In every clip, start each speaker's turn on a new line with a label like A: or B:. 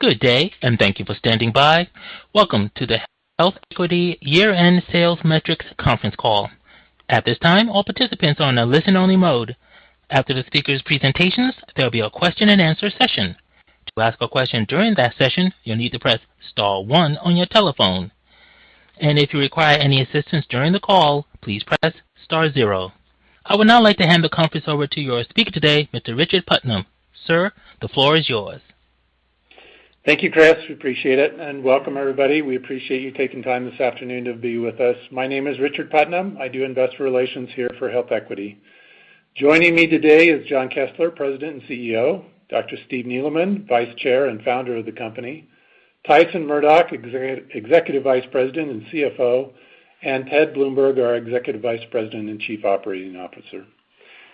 A: Good day, and thank you for standing by. Welcome to the HealthEquity Year-End Sales Metrics Conference Call. At this time, all participants are on a listen-only mode. After the speakers' presentations, there'll be a Q&A session. To ask a question during that session, you'll need to press star one on your telephone. If you require any assistance during the call, please press star zero. I would now like to hand the conference over to your speaker today, Mr. Richard Putnam. Sir, the floor is yours.
B: Thank you, Chris. We appreciate it, and welcome, everybody. We appreciate you taking time this afternoon to be with us. My name is Richard Putnam. I do investor relations here for HealthEquity. Joining me today is Jon Kessler, President and Chief Executive Officer, Dr. Steve Neeleman, Vice Chair and Founder of the company, Tyson Murdock, Executive Vice President and Chief Financial Officer, and Ted Bloomberg, our Executive Vice President and Chief Operating Officer.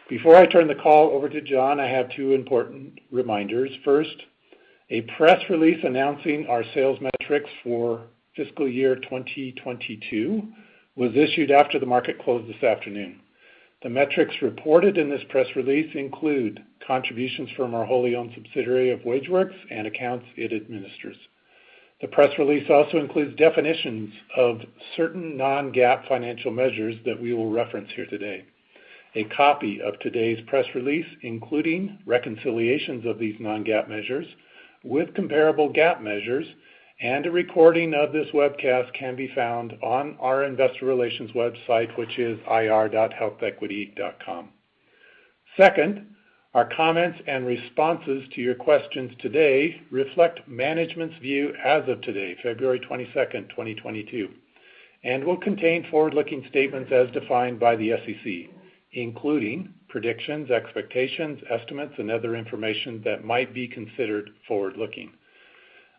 B: Before I turn the call over to Jon, I have two important reminders. First, a press release announcing our sales metrics for fiscal year 2022 was issued after the market closed this afternoon. The metrics reported in this press release include contributions from our wholly owned subsidiary of WageWorks and accounts it administers. The press release also includes definitions of certain non-GAAP financial measures that we will reference here today. A copy of today's press release, including reconciliations of these non-GAAP measures with comparable GAAP measures and a recording of this webcast, can be found on our investor relations website, which is ir.healthequity.com. Second, our comments and responses to your questions today reflect management's view as of today, February 22, 2022, and will contain forward-looking statements as defined by the SEC, including predictions, expectations, estimates, and other information that might be considered forward-looking.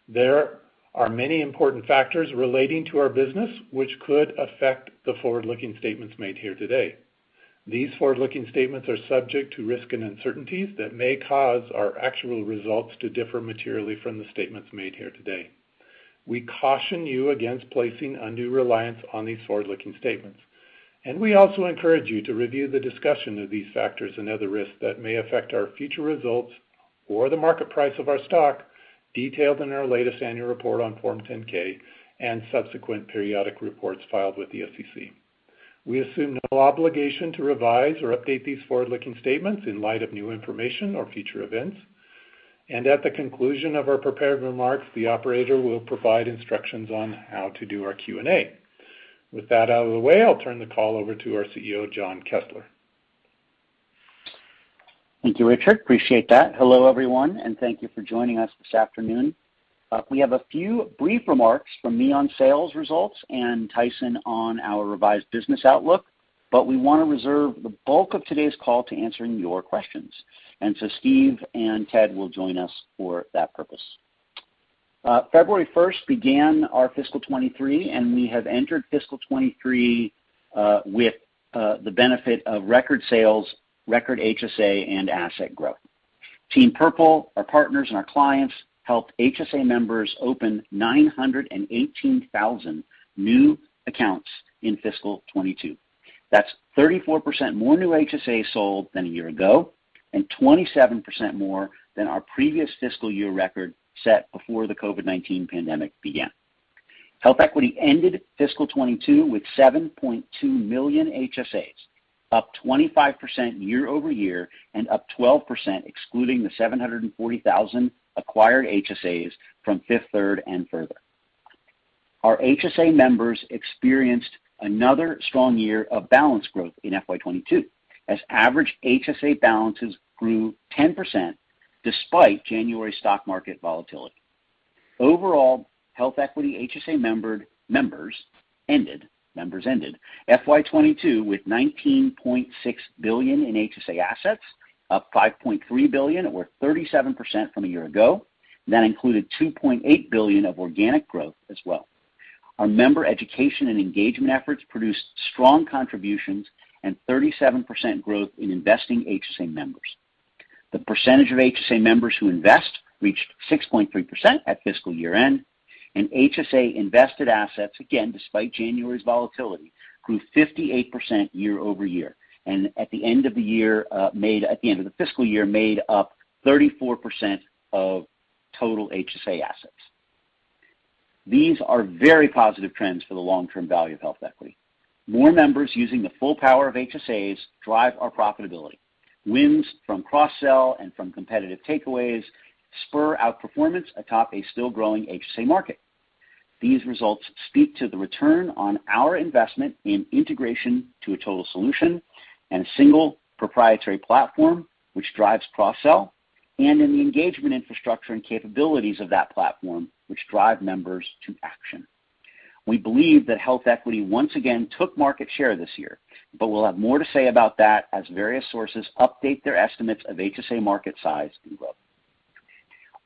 B: There are many important factors relating to our business which could affect the forward-looking statements made here today. These forward-looking statements are subject to risks and uncertainties that may cause our actual results to differ materially from the statements made here today. We caution you against placing undue reliance on these forward-looking statements, and we also encourage you to review the discussion of these factors and other risks that may affect our future results or the market price of our stock, detailed in our latest annual report on Form 10-K and subsequent periodic reports filed with the SEC. We assume no obligation to revise or update these forward-looking statements in light of new information or future events. At the conclusion of our prepared remarks, the operator will provide instructions on how to do our Q&A. With that out of the way, I'll turn the call over to our Chief Executive Officer, Jon Kessler.
C: Thank you, Richard. Appreciate that. Hello, everyone, and thank you for joining us this afternoon. We have a few brief remarks from me on sales results and Tyson on our revised business outlook, but we wanna reserve the bulk of today's call to answering your questions. Steve and Ted will join us for that purpose. February first began our fiscal 2023, and we have entered fiscal 2023 with the benefit of record sales, record HSA and asset growth. Team Purple, our partners and our clients, helped HSA members open 918,000 new accounts in fiscal 2022. That's 34% more new HSAs sold than a year ago and 27% more than our previous fiscal year record set before the COVID-19 pandemic began. HealthEquity ended fiscal 2022 with 7.2 million HSAs, up 25% year-over-year and up 12% excluding the 740,000 acquired HSAs from Fifth Third and Further. Our HSA members experienced another strong year of balance growth in FY 2022, as average HSA balances grew 10% despite January stock market volatility. Overall, HealthEquity members ended FY 2022 with $19.6 billion in HSA assets, up $5.3 billion or 37% from a year ago. That included $2.8 billion of organic growth as well. Our member education and engagement efforts produced strong contributions and 37% growth in investing HSA members. The percentage of HSA members who invest reached 6.3% at fiscal year-end, and HSA invested assets, again, despite January's volatility, grew 58% year-over-year. At the end of the fiscal year, made up 34% of total HSA assets. These are very positive trends for the long-term value of HealthEquity. More members using the full power of HSAs drive our profitability. Wins from cross-sell and from competitive takeaways spur outperformance atop a still-growing HSA market. These results speak to the return on our investment in integration to a total solution and a single proprietary platform which drives cross-sell, and in the engagement infrastructure and capabilities of that platform, which drive members to action. We believe that HealthEquity once again took market share this year, but we'll have more to say about that as various sources update their estimates of HSA market size and growth.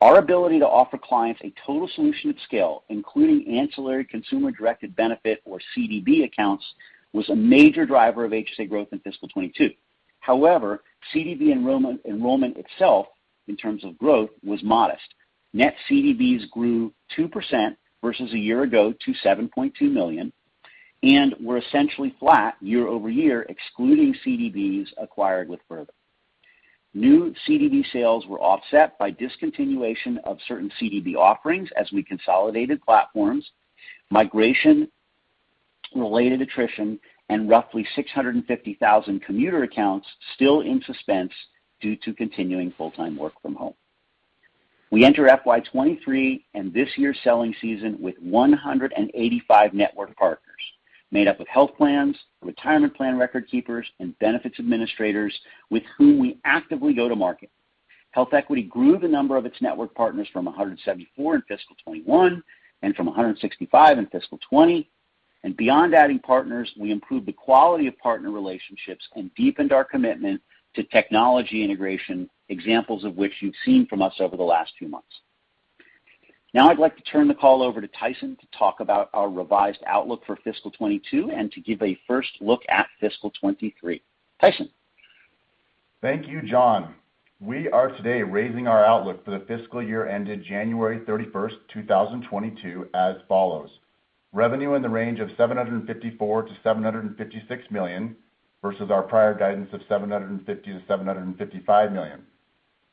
C: Our ability to offer clients a total solution at scale, including ancillary consumer-directed benefit or CDB accounts, was a major driver of HSA growth in fiscal 2022. However, CDB enrollment itself in terms of growth was modest. Net CDBs grew 2% versus a year ago to 7.2 million. We're essentially flat year-over-year, excluding CDBs acquired with Further. New CDB sales were offset by discontinuation of certain CDB offerings as we consolidated platforms, migration-related attrition, and roughly 650,000 commuter accounts still in suspense due to continuing full-time work from home. We enter FY 2023 and this year's selling season with 185 network partners made up of health plans, retirement plan record keepers, and benefits administrators with whom we actively go to market. HealthEquity grew the number of its network partners from 174 in fiscal 2021 and from 165 in fiscal 2020. Beyond adding partners, we improved the quality of partner relationships and deepened our commitment to technology integration, examples of which you've seen from us over the last few months. Now I'd like to turn the call over to Tyson to talk about our revised outlook for fiscal 2022 and to give a first look at fiscal 2023. Tyson.
D: Thank you, Jon. We are today raising our outlook for the fiscal year ended January 31, 2022 as follows. Revenue in the range of $754 million-$756 million versus our prior guidance of $750 million-$755 million.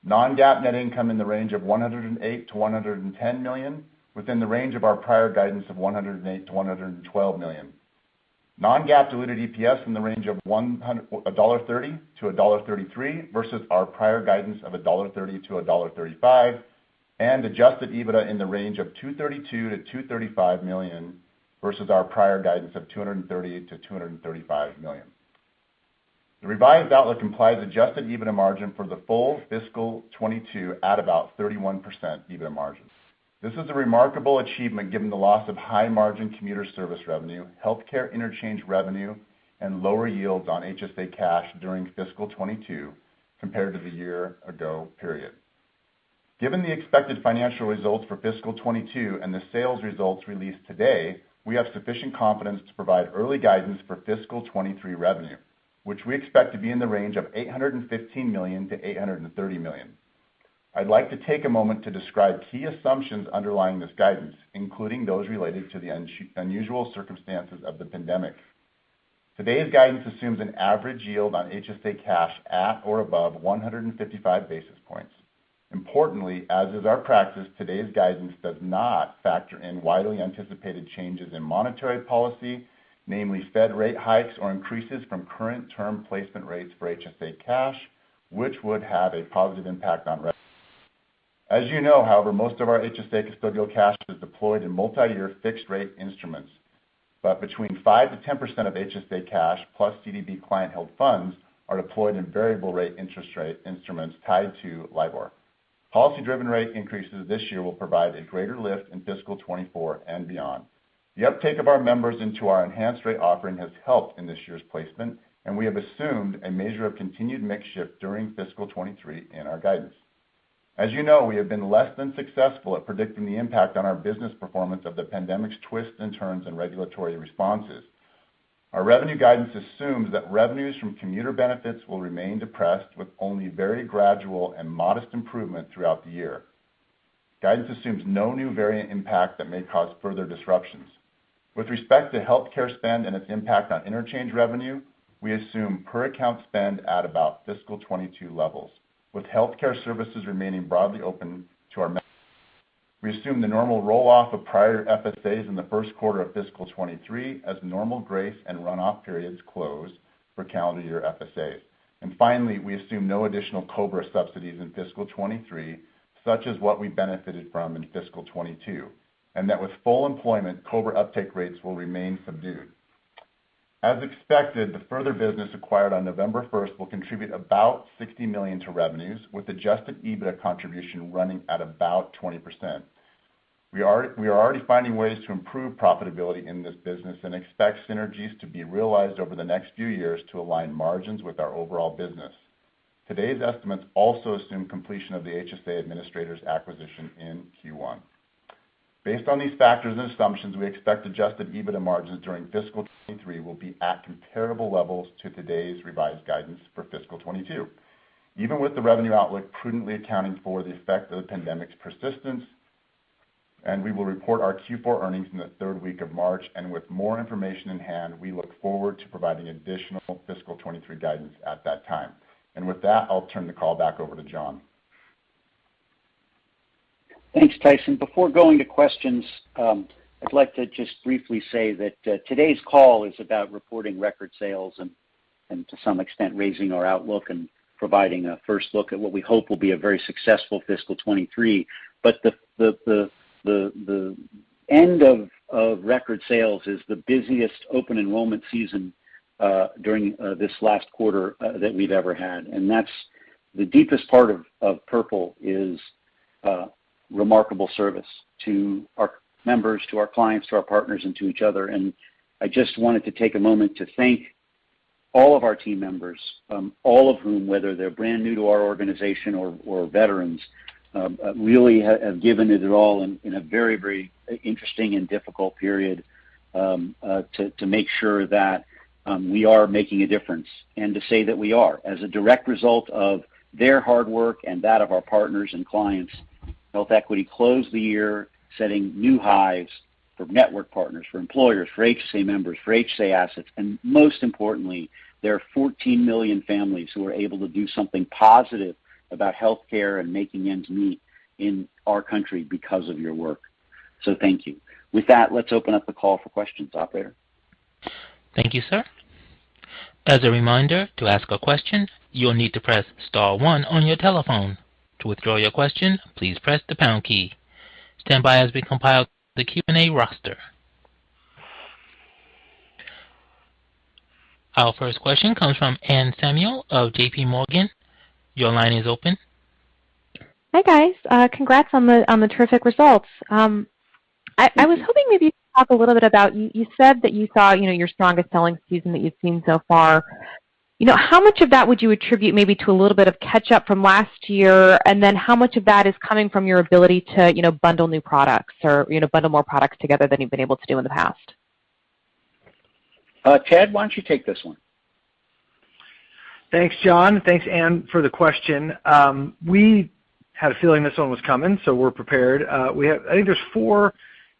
D: Non-GAAP net income in the range of $108 million-$110 million within the range of our prior guidance of $108 million-$112 million. Non-GAAP diluted EPS in the range of $1.30-$1.33 versus our prior guidance of $1.30-$1.35, and adjusted EBITDA in the range of $232 million-$235 million versus our prior guidance of $230 million-$235 million. The revised outlook implies adjusted EBITDA margin for the full FY 2022 at about 31% EBITDA margins. This is a remarkable achievement given the loss of high margin commuter service revenue, healthcare interchange revenue, and lower yields on HSA cash during FY 2022 compared to the year ago period. Given the expected financial results for FY 2022 and the sales results released today, we have sufficient confidence to provide early guidance for FY 2023 revenue, which we expect to be in the range of $815 million-$830 million. I'd like to take a moment to describe key assumptions underlying this guidance, including those related to the unusual circumstances of the pandemic. Today's guidance assumes an average yield on HSA cash at or above 155 basis points. Importantly, as is our practice, today's guidance does not factor in widely anticipated changes in monetary policy, namely Fed rate hikes or increases from current term placement rates for HSA cash, which would have a positive impact on rev. As you know, however, most of our HSA custodial cash is deployed in multiyear fixed rate instruments. Between five to ten percent of HSA cash plus CDB client held funds are deployed in variable rate interest rate instruments tied to LIBOR. Policy driven rate increases this year will provide a greater lift in fiscal 2024 and beyond. The uptake of our members into our Enhanced Rates offering has helped in this year's placement, and we have assumed a measure of continued mix shift during fiscal 2023 in our guidance. As you know, we have been less than successful at predicting the impact on our business performance of the pandemic's twists and turns and regulatory responses. Our revenue guidance assumes that revenues from commuter benefits will remain depressed with only very gradual and modest improvement throughout the year. Guidance assumes no new variant impact that may cause further disruptions. With respect to health care spend and its impact on interchange revenue, we assume per account spend at about fiscal 2022 levels, with health care services remaining broadly open to our members. We assume the normal roll-off of prior FSAs in the Q1 of fiscal 2023 as normal grace and runoff periods close for calendar year FSAs. Finally, we assume no additional COBRA subsidies in fiscal 2023, such as what we benefited from in fiscal 2022, and that with full employment, COBRA uptake rates will remain subdued. As expected, the Further business acquired on November first will contribute about $60 million to revenues, with adjusted EBITDA contribution running at about 20%. We are already finding ways to improve profitability in this business and expect synergies to be realized over the next few years to align margins with our overall business. Today's estimates also assume completion of the HSA Administrators acquisition in Q1. Based on these factors and assumptions, we expect adjusted EBITDA margins during fiscal 2023 will be at comparable levels to today's revised guidance for fiscal 2022, even with the revenue outlook prudently accounting for the effect of the pandemic's persistence. We will report our Q4 earnings in the third week of March. With more information in hand, we look forward to providing additional fiscal 2023 guidance at that time. With that, I'll turn the call back over to Jon.
C: Thanks, Tyson. Before going to questions, I'd like to just briefly say that today's call is about reporting record sales and to some extent, raising our outlook and providing a first look at what we hope will be a very successful fiscal 2023. The end of record sales is the busiest open enrollment season during this last quarter that we've ever had. That's the deepest part of Purple is remarkable service to our members, to our clients, to our partners, and to each other. I just wanted to take a moment to thank all of our team members, all of whom, whether they're brand new to our organization or veterans, really have given it their all in a very interesting and difficult period, to make sure that we are making a difference and to say that we are. As a direct result of their hard work and that of our partners and clients. HealthEquity closed the year setting new highs for network partners, for employers, for HSA members, for HSA assets, and most importantly, there are 14 million families who are able to do something positive about healthcare and making ends meet in our country because of your work. Thank you. With that, let's open up the call for questions, operator.
A: Thank you, sir. As a reminder, to ask a question, you will need to press star one on your telephone. To withdraw your question, please press the pound key. Stand by as we compile the Q&A roster. Our first question comes from Anne Samuel of JPMorgan. Your line is open.
E: Hi, guys. Congrats on the terrific results. I was hoping maybe to talk a little bit about. You said that you saw, you know, your strongest selling season that you've seen so far. You know, how much of that would you attribute maybe to a little bit of catch up from last year? How much of that is coming from your ability to, you know, bundle new products or, you know, bundle more products together than you've been able to do in the past?
C: Ted, why don't you take this one?
F: Thanks, Jon. Thanks, Anne, for the question. We had a feeling this one was coming, so we're prepared. I think there's four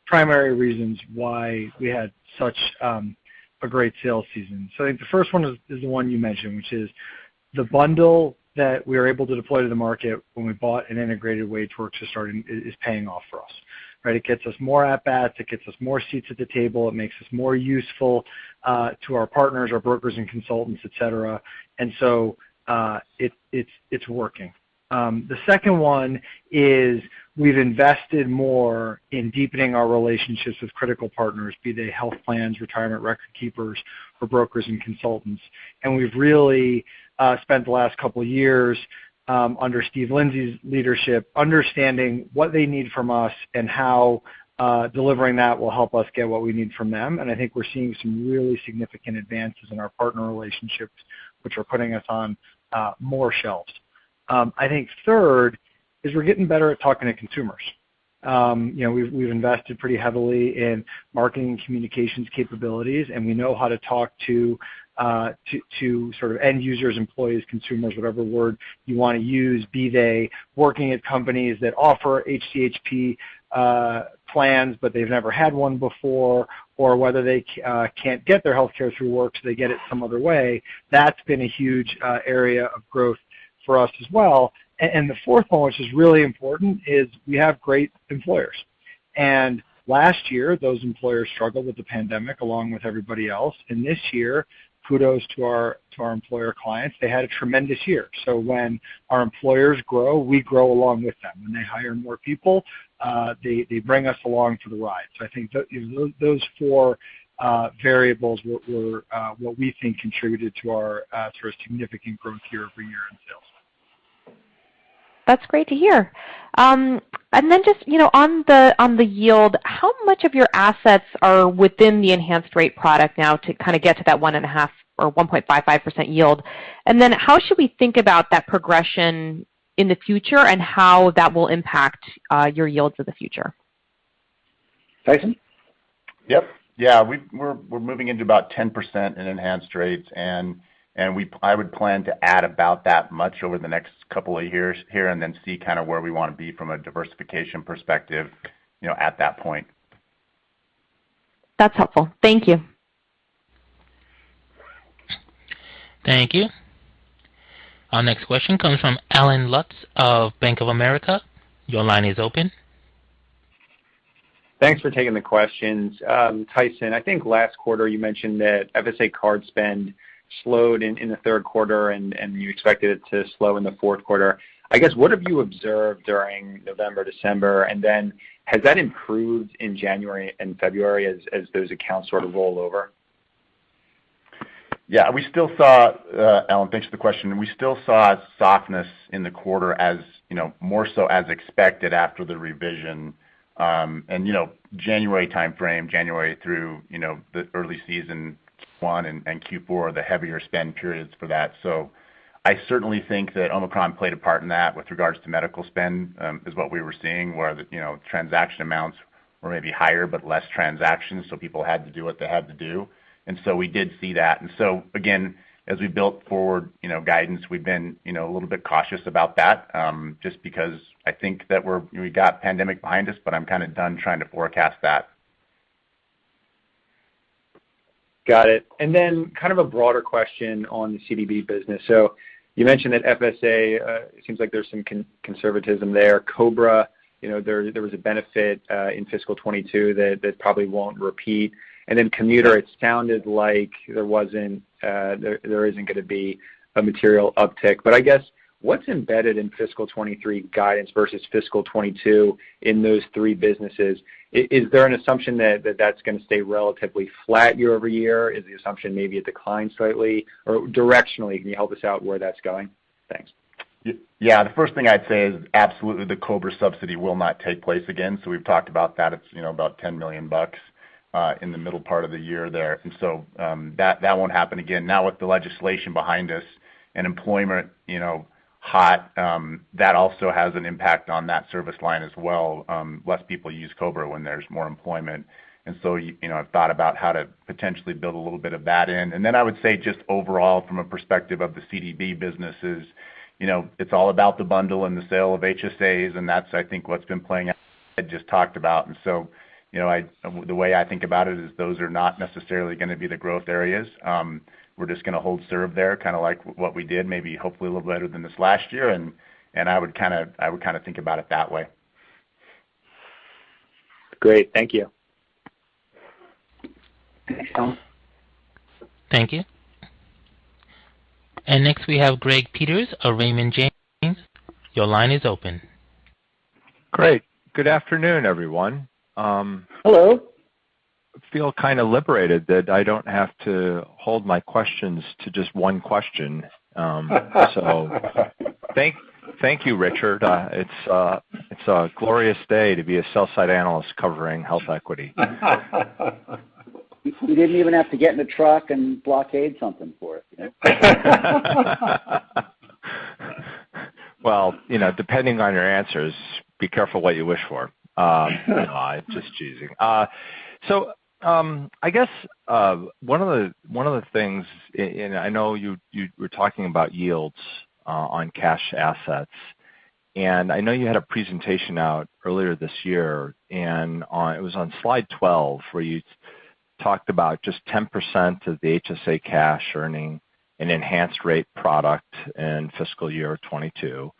F: primary reasons why we had such a great sales season. I think the first one is the one you mentioned, which is the bundle that we were able to deploy to the market when we bought an integrated WageWorks to start is paying off for us, right? It gets us more at bats. It gets us more seats at the table. It makes us more useful to our partners, our brokers and consultants, et cetera. It's working. The second one is we've invested more in deepening our relationships with critical partners, be they health plans, retirement record keepers or brokers and consultants. We've really spent the last couple of years, under Steve Lindsay's leadership, understanding what they need from us and how delivering that will help us get what we need from them. I think we're seeing some really significant advances in our partner relationships, which are putting us on more shelves. I think third is we're getting better at talking to consumers. You know, we've invested pretty heavily in marketing communications capabilities, and we know how to talk to sort of end users, employees, consumers, whatever word you wanna use, be they working at companies that offer HDHP plans, but they've never had one before, or whether they can't get their healthcare through work, so they get it some other way. That's been a huge area of growth for us as well. The fourth one, which is really important, is we have great employers. Last year, those employers struggled with the pandemic along with everybody else. This year, kudos to our employer clients. They had a tremendous year. When our employers grow, we grow along with them. When they hire more people, they bring us along for the ride. I think those four variables were what we think contributed to our sort of significant growth year over year in sales.
E: That's great to hear. And then just, you know, on the yield, how much of your assets are within the Enhanced Rates product now to kinda get to that 1.5% or 1.55% yield? How should we think about that progression in the future and how that will impact your yields of the future?
C: Tyson?
D: Yeah. We're moving into about 10% in Enhanced Rates, and I would plan to add about that much over the next couple of years here and then see kinda where we wanna be from a diversification perspective, you know, at that point.
E: That's helpful. Thank you.
A: Thank you. Our next question comes from Allen Lutz of Bank of America. Your line is open.
G: Thanks for taking the questions. Tyson, I think last quarter you mentioned that FSA card spend slowed in the Q3 and you expected it to slow in the Q4. I guess, what have you observed during November, December? Has that improved in January and February as those accounts sort of roll over?
D: Yeah. We still saw, Allen, thanks for the question. We still saw softness in the quarter as, you know, more so as expected after the revision. You know, January timeframe, January through, you know, the early Q1 and Q4 are the heavier spend periods for that. I certainly think that Omicron played a part in that with regards to medical spend is what we were seeing where the, you know, transaction amounts were maybe higher but less transactions, so people had to do what they had to do. We did see that. Again, as we built forward, you know, guidance, we've been, you know, a little bit cautious about that just because I think that we got the pandemic behind us, but I'm kinda done trying to forecast that.
G: Got it. Kind of a broader question on the CDB business. You mentioned that FSA, it seems like there's some conservatism there. COBRA, you know, there was a benefit in fiscal 2022 that probably won't repeat. Commuter, it sounded like there isn't gonna be a material uptick. I guess what's embedded in fiscal 2023 guidance versus fiscal 2022 in those three businesses? Is there an assumption that that's gonna stay relatively flat year-over-year? Is the assumption maybe it declines slightly? Directionally, can you help us out where that's going? Thanks.
D: Yeah. The first thing I'd say is absolutely the COBRA subsidy will not take place again. We've talked about that. It's, you know, about $10 million in the middle part of the year there. That won't happen again. Now with the legislation behind us and employment, you know, hot, that also has an impact on that service line as well. Less people use COBRA when there's more employment. You know, I've thought about how to potentially build a little bit of that in. I would say just overall from a perspective of the CDB businesses, you know, it's all about the bundle and the sale of HSAs, and that's, I think, what's been playing out. I just talked about. You know, the way I think about it is those are not necessarily going to be the growth areas. We're just going to hold serve there, kind of like what we did, maybe hopefully a little better than this last year. I would kind of think about it that way.
G: Great. Thank you.
A: Thank you. Next we have Gregory Peters of Raymond James. Your line is open.
H: Great. Good afternoon, everyone.
C: Hello.
H: I feel kind of liberated that I don't have to hold my questions to just one question. Thank you, Richard. It's a glorious day to be a sell-side analyst covering HealthEquity.
C: We didn't even have to get in a truck and blockade something for it, you know?
H: Well, you know, depending on your answers, be careful what you wish for. No, I'm just teasing. I guess one of the things, and I know you were talking about yields on cash assets. I know you had a presentation out earlier this year, and it was on slide 12 where you talked about just 10% of the HSA cash earning an Enhanced Rates product in fiscal year 2022.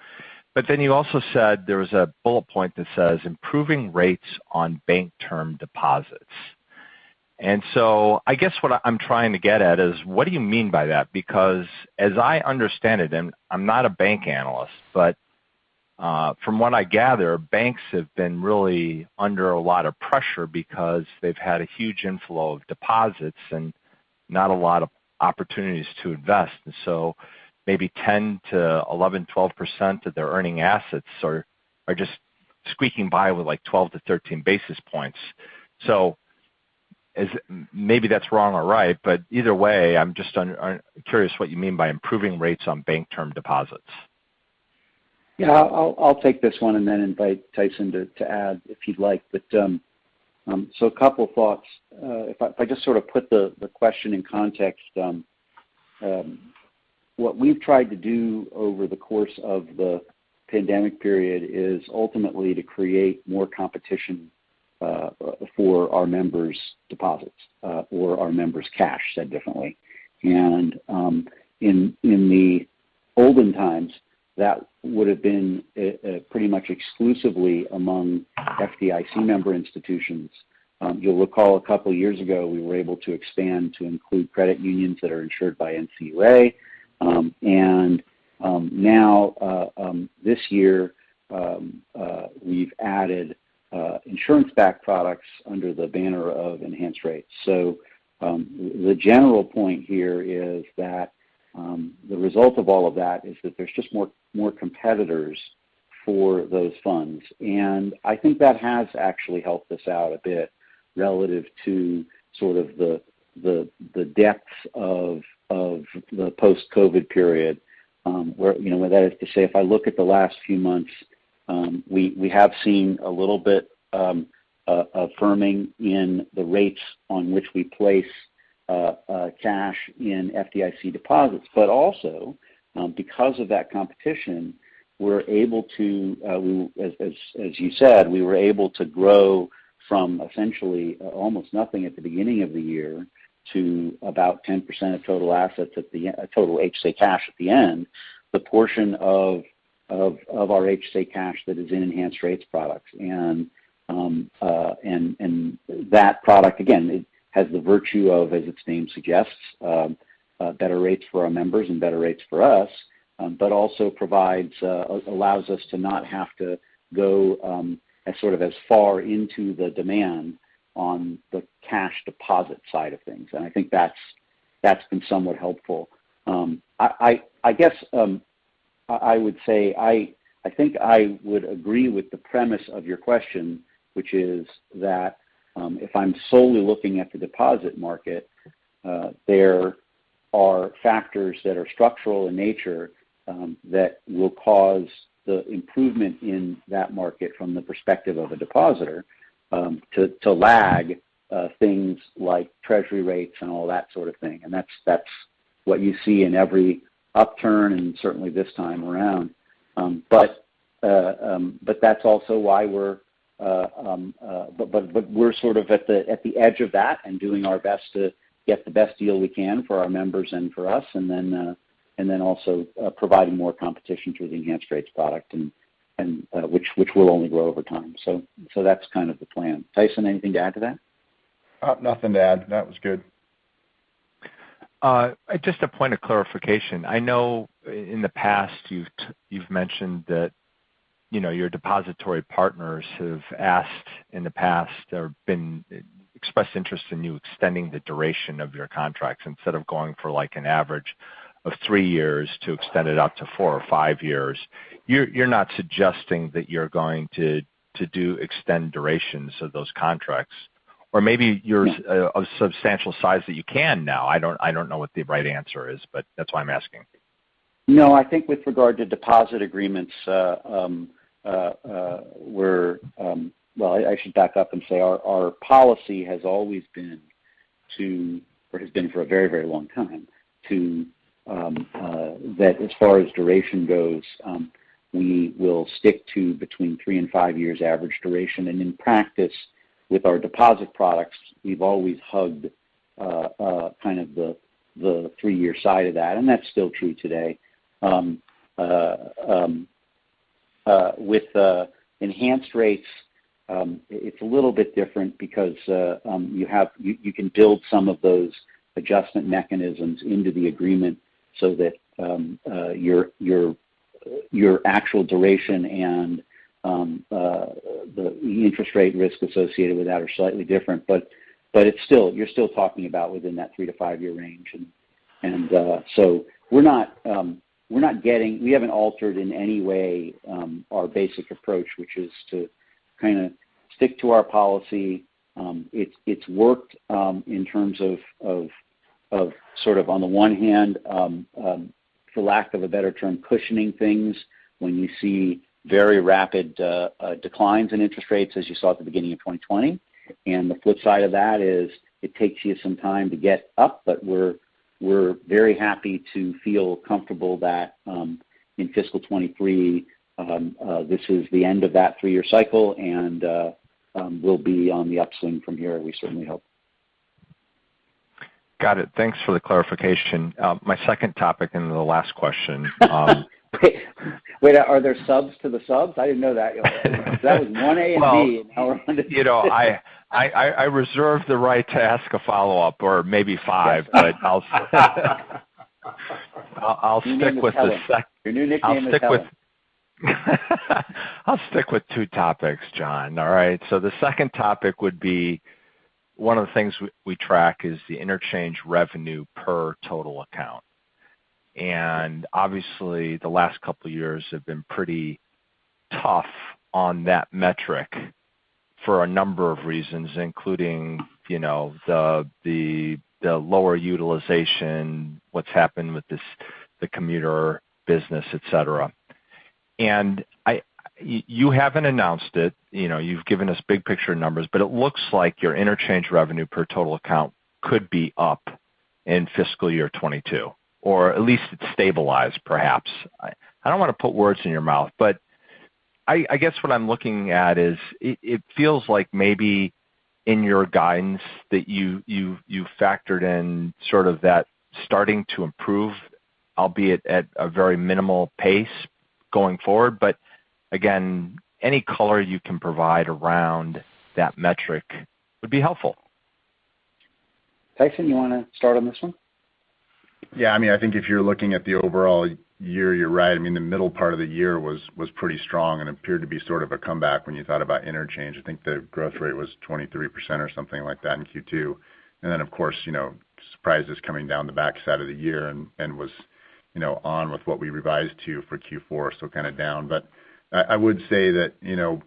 H: Then you also said there was a bullet point that says, "Improving rates on bank term deposits." I guess what I'm trying to get at is, what do you mean by that? Because as I understand it, and I'm not a bank analyst, but from what I gather, banks have been really under a lot of pressure because they've had a huge inflow of deposits and not a lot of opportunities to invest. Maybe 10%-12% of their earning assets are just squeaking by with, like, 12 basis points-13 basis points. Maybe that's wrong or right, but either way, I'm just curious what you mean by improving rates on bank term deposits.
C: I'll take this one and then invite Tyson to add if he'd like. A couple thoughts. If I just sort of put the question in context, what we've tried to do over the course of the pandemic period is ultimately to create more competition for our members' deposits or our members' cash, said differently. In the olden times, that would have been pretty much exclusively among FDIC member institutions. You'll recall a couple years ago, we were able to expand to include credit unions that are insured by NCUA. Now this year we've added insurance-backed products under the banner of Enhanced Rates. The general point here is that the result of all of that is that there's just more competition for those funds. I think that has actually helped us out a bit relative to sort of the depth of the post-COVID period, where you know that is to say, if I look at the last few months, we have seen a little bit firming in the rates on which we place cash in FDIC deposits. Also because of that competition, we're able to, as you said, we were able to grow from essentially almost nothing at the beginning of the year to about 10% of total HSA cash at the end, the portion of our HSA cash that is in Enhanced Rates products. That product, again, it has the virtue of, as its name suggests, better rates for our members and better rates for us, but also allows us to not have to go as sort of far into the demand on the cash deposit side of things. I think that's been somewhat helpful. I guess I would say I think I would agree with the premise of your question, which is that if I'm solely looking at the deposit market, there are factors that are structural in nature that will cause the improvement in that market from the perspective of a depositor to lag things like treasury rates and all that sort of thing. That's what you see in every upturn and certainly this time around. That's also why we're at the edge of that and doing our best to get the best deal we can for our members and for us, and then also providing more competition through the Enhanced Rates product and which will only grow over time. That's kind of the plan. Tyson, anything to add to that?
D: Nothing to add. That was good.
H: Just a point of clarification. I know in the past you've mentioned that, you know, your depository partners have asked in the past or expressed interest in you extending the duration of your contracts instead of going for, like, an average of three years to extend it out to four or five years. You're not suggesting that you're going to extend durations of those contracts? Or maybe you're a substantial size that you can now. I don't know what the right answer is, but that's why I'm asking.
C: No, I think with regard to deposit agreements. Well, I should back up and say our policy has always been or has been for a very long time, too, that as far as duration goes, we will stick to between three and five years average duration. In practice with our deposit products, we've always hugged kind of the three-year side of that, and that's still true today. With Enhanced Rates, it's a little bit different because you can build some of those adjustment mechanisms into the agreement so that your actual duration and the interest rate risk associated with that are slightly different. You're still talking about within that 3-5 year range. We haven't altered in any way our basic approach, which is to kind of stick to our policy. It's worked in terms of sort of on the one hand, for lack of a better term, cushioning things when you see very rapid declines in interest rates as you saw at the beginning of 2020. The flip side of that is it takes you some time to get up, but we're very happy to feel comfortable that in fiscal 2023 this is the end of that three-year cycle, and we'll be on the upswing from here, we certainly hope.
H: Got it. Thanks for the clarification. My second topic and the last question,
C: Wait, are there subs to the subs? I didn't know that. That was one A and B.
H: Well, you know, I reserve the right to ask a follow-up or maybe five. But I'll stick with the sec-
C: Your new nickname is Helen.
H: I'll stick with two topics, Jon. All right. The second topic would be one of the things we track is the interchange revenue per total account. Obviously, the last couple of years have been pretty tough on that metric for a number of reasons, including, you know, the lower utilization, what's happened with the commuter business, et cetera. You haven't announced it, you know, you've given us big picture numbers, but it looks like your interchange revenue per total account could be up in fiscal year 2022, or at least it's stabilized, perhaps. I don't want to put words in your mouth, but I guess what I'm looking at is it feels like maybe in your guidance that you factored in sort of that starting to improve, albeit at a very minimal pace going forward. Again, any color you can provide around that metric would be helpful.
C: Tyson, you want to start on this one?
D: Yeah. I mean, I think if you're looking at the overall year, you're right. I mean, the middle part of the year was pretty strong and appeared to be sort of a comeback when you thought about interchange. I think the growth rate was 23% or something like that in Q2. Then of course, you know, surprises coming down the backside of the year and was, you know, on with what we revised to for Q4, so kind of down. I would say that, you know,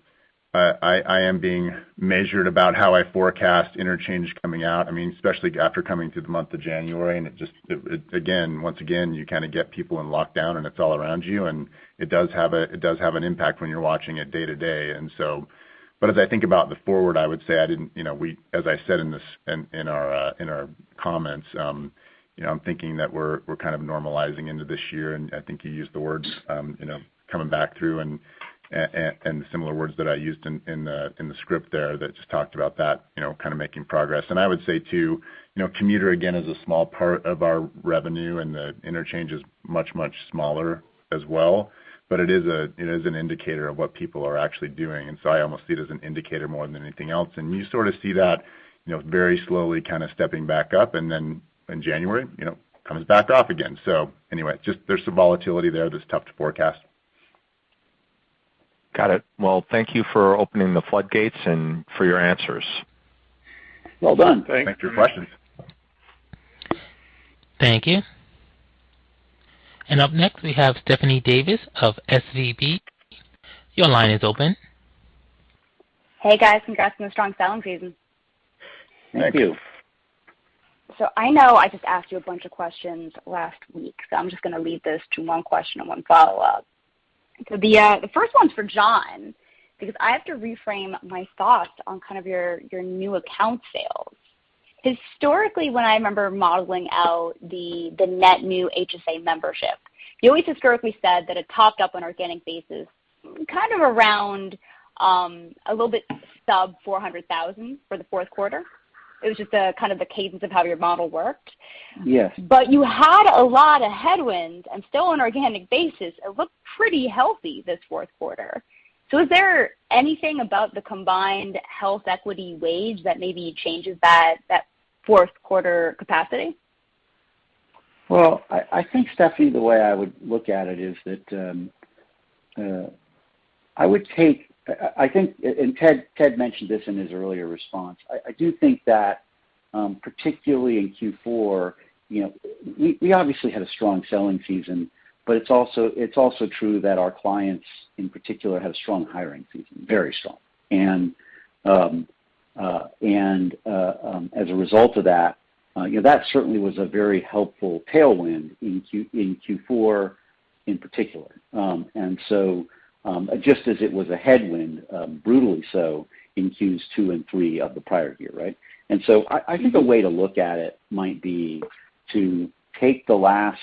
D: I am being measured about how I forecast interchange coming out. I mean, especially after coming through the month of January, and it just again, once again, you kind of get people in lockdown and it's all around you, and it does have an impact when you're watching it day to day. But as I think about the forward, I would say you know, as I said in our comments, you know, I'm thinking that we're kind of normalizing into this year. I think you used the words, you know, coming back through and and similar words that I used in the script there that just talked about that, you know, kind of making progress. I would say too, you know, commuter again is a small part of our revenue and the interchange is much, much smaller as well, but it is an indicator of what people are actually doing. I almost see it as an indicator more than anything else. You sort of see that, you know, very slowly kind of stepping back up. In January, you know, comes back off again. Anyway, just there's some volatility there that's tough to forecast.
H: Got it. Well, thank you for opening the floodgates and for your answers.
C: Well done.
D: Thanks for your questions.
A: Thank you. Up next we have Stephanie Davis of SVB. Your line is open.
I: Hey, guys. Congrats on the strong selling season.
C: Thank you.
D: Thank you.
I: I know I just asked you a bunch of questions last week, so I'm just going to lead this to one question and one follow-up. The first one's for Jon because I have to reframe my thoughts on kind of your new account sales. Historically, when I remember modeling out the net new HSA membership, you always historically said that it topped up on organic basis kind of around a little bit sub 400,000 for the Q4. It was just kind of the cadence of how your model worked.
C: Yes.
I: You had a lot of headwinds and still on organic basis it looked pretty healthy this Q4. Is there anything about the combined HealthEquity WageWorks that maybe changes that Q4 capacity?
C: Well, I think, Stephanie, the way I would look at it is that, and Ted mentioned this in his earlier response. I do think that, particularly in Q4, you know, we obviously had a strong selling season, but it's also true that our clients in particular had a strong hiring season, very strong. As a result of that, you know, that certainly was a very helpful tailwind in Q4 in particular. Just as it was a headwind, brutally so in Q2 and Q3 of the prior year, right? I think a way to look at it might be to take the last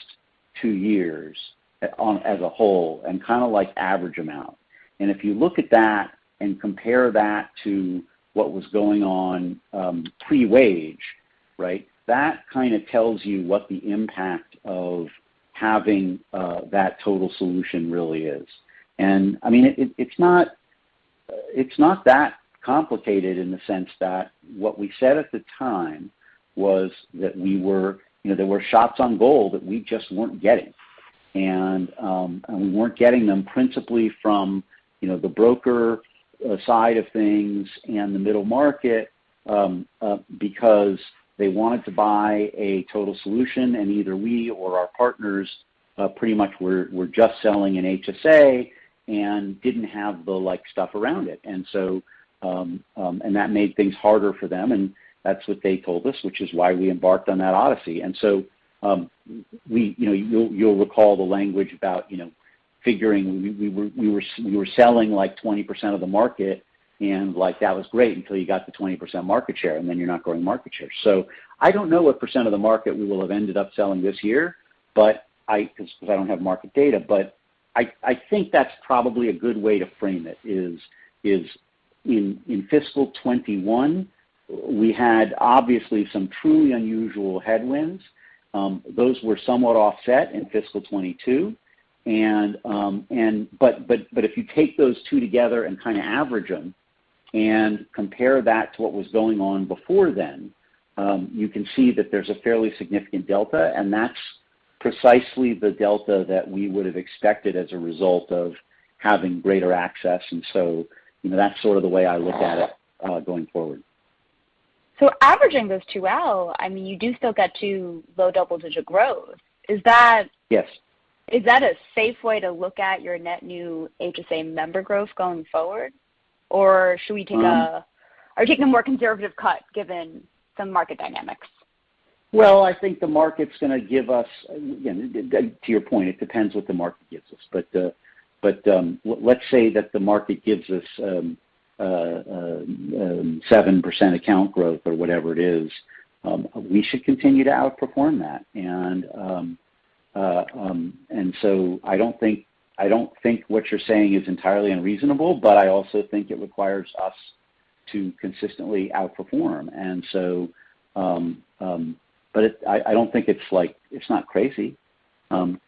C: two years as a whole and kinda like average them out. If you look at that and compare that to what was going on pre-WageWorks, right? That kinda tells you what the impact of having that total solution really is. I mean, it's not that complicated in the sense that what we said at the time was that we were, you know, there were shots on goal that we just weren't getting. We weren't getting them principally from, you know, the broker side of things and the middle market because they wanted to buy a total solution, and either we or our partners pretty much were just selling an HSA and didn't have the like stuff around it. That made things harder for them, and that's what they told us, which is why we embarked on that odyssey. You know, you'll recall the language about, you know, figuring we were selling like 20% of the market, and like, that was great until you got to 20% market share, and then you're not growing market share. I don't know what % of the market we will have ended up selling this year, but 'cause I don't have market data. I think that's probably a good way to frame it, is in fiscal 2021, we had obviously some truly unusual headwinds. Those were somewhat offset in fiscal 2022. if you take those two together and kinda average them and compare that to what was going on before then, you can see that there's a fairly significant delta, and that's precisely the delta that we would've expected as a result of having greater access. You know, that's sort of the way I look at it going forward.
I: Averaging those two out, I mean, you do still get too low double-digit growth. Is that-
C: Yes.
I: Is that a safe way to look at your net new HSA member growth going forward? Should we take a
C: Um-
I: Take a more conservative cut given some market dynamics?
C: Well, I think the market's gonna give us, again, to your point, it depends what the market gives us. Let's say that the market gives us 7% account growth or whatever it is. We should continue to outperform that. I don't think what you're saying is entirely unreasonable, but I also think it requires us to consistently outperform. I don't think it's like it's not crazy. I'm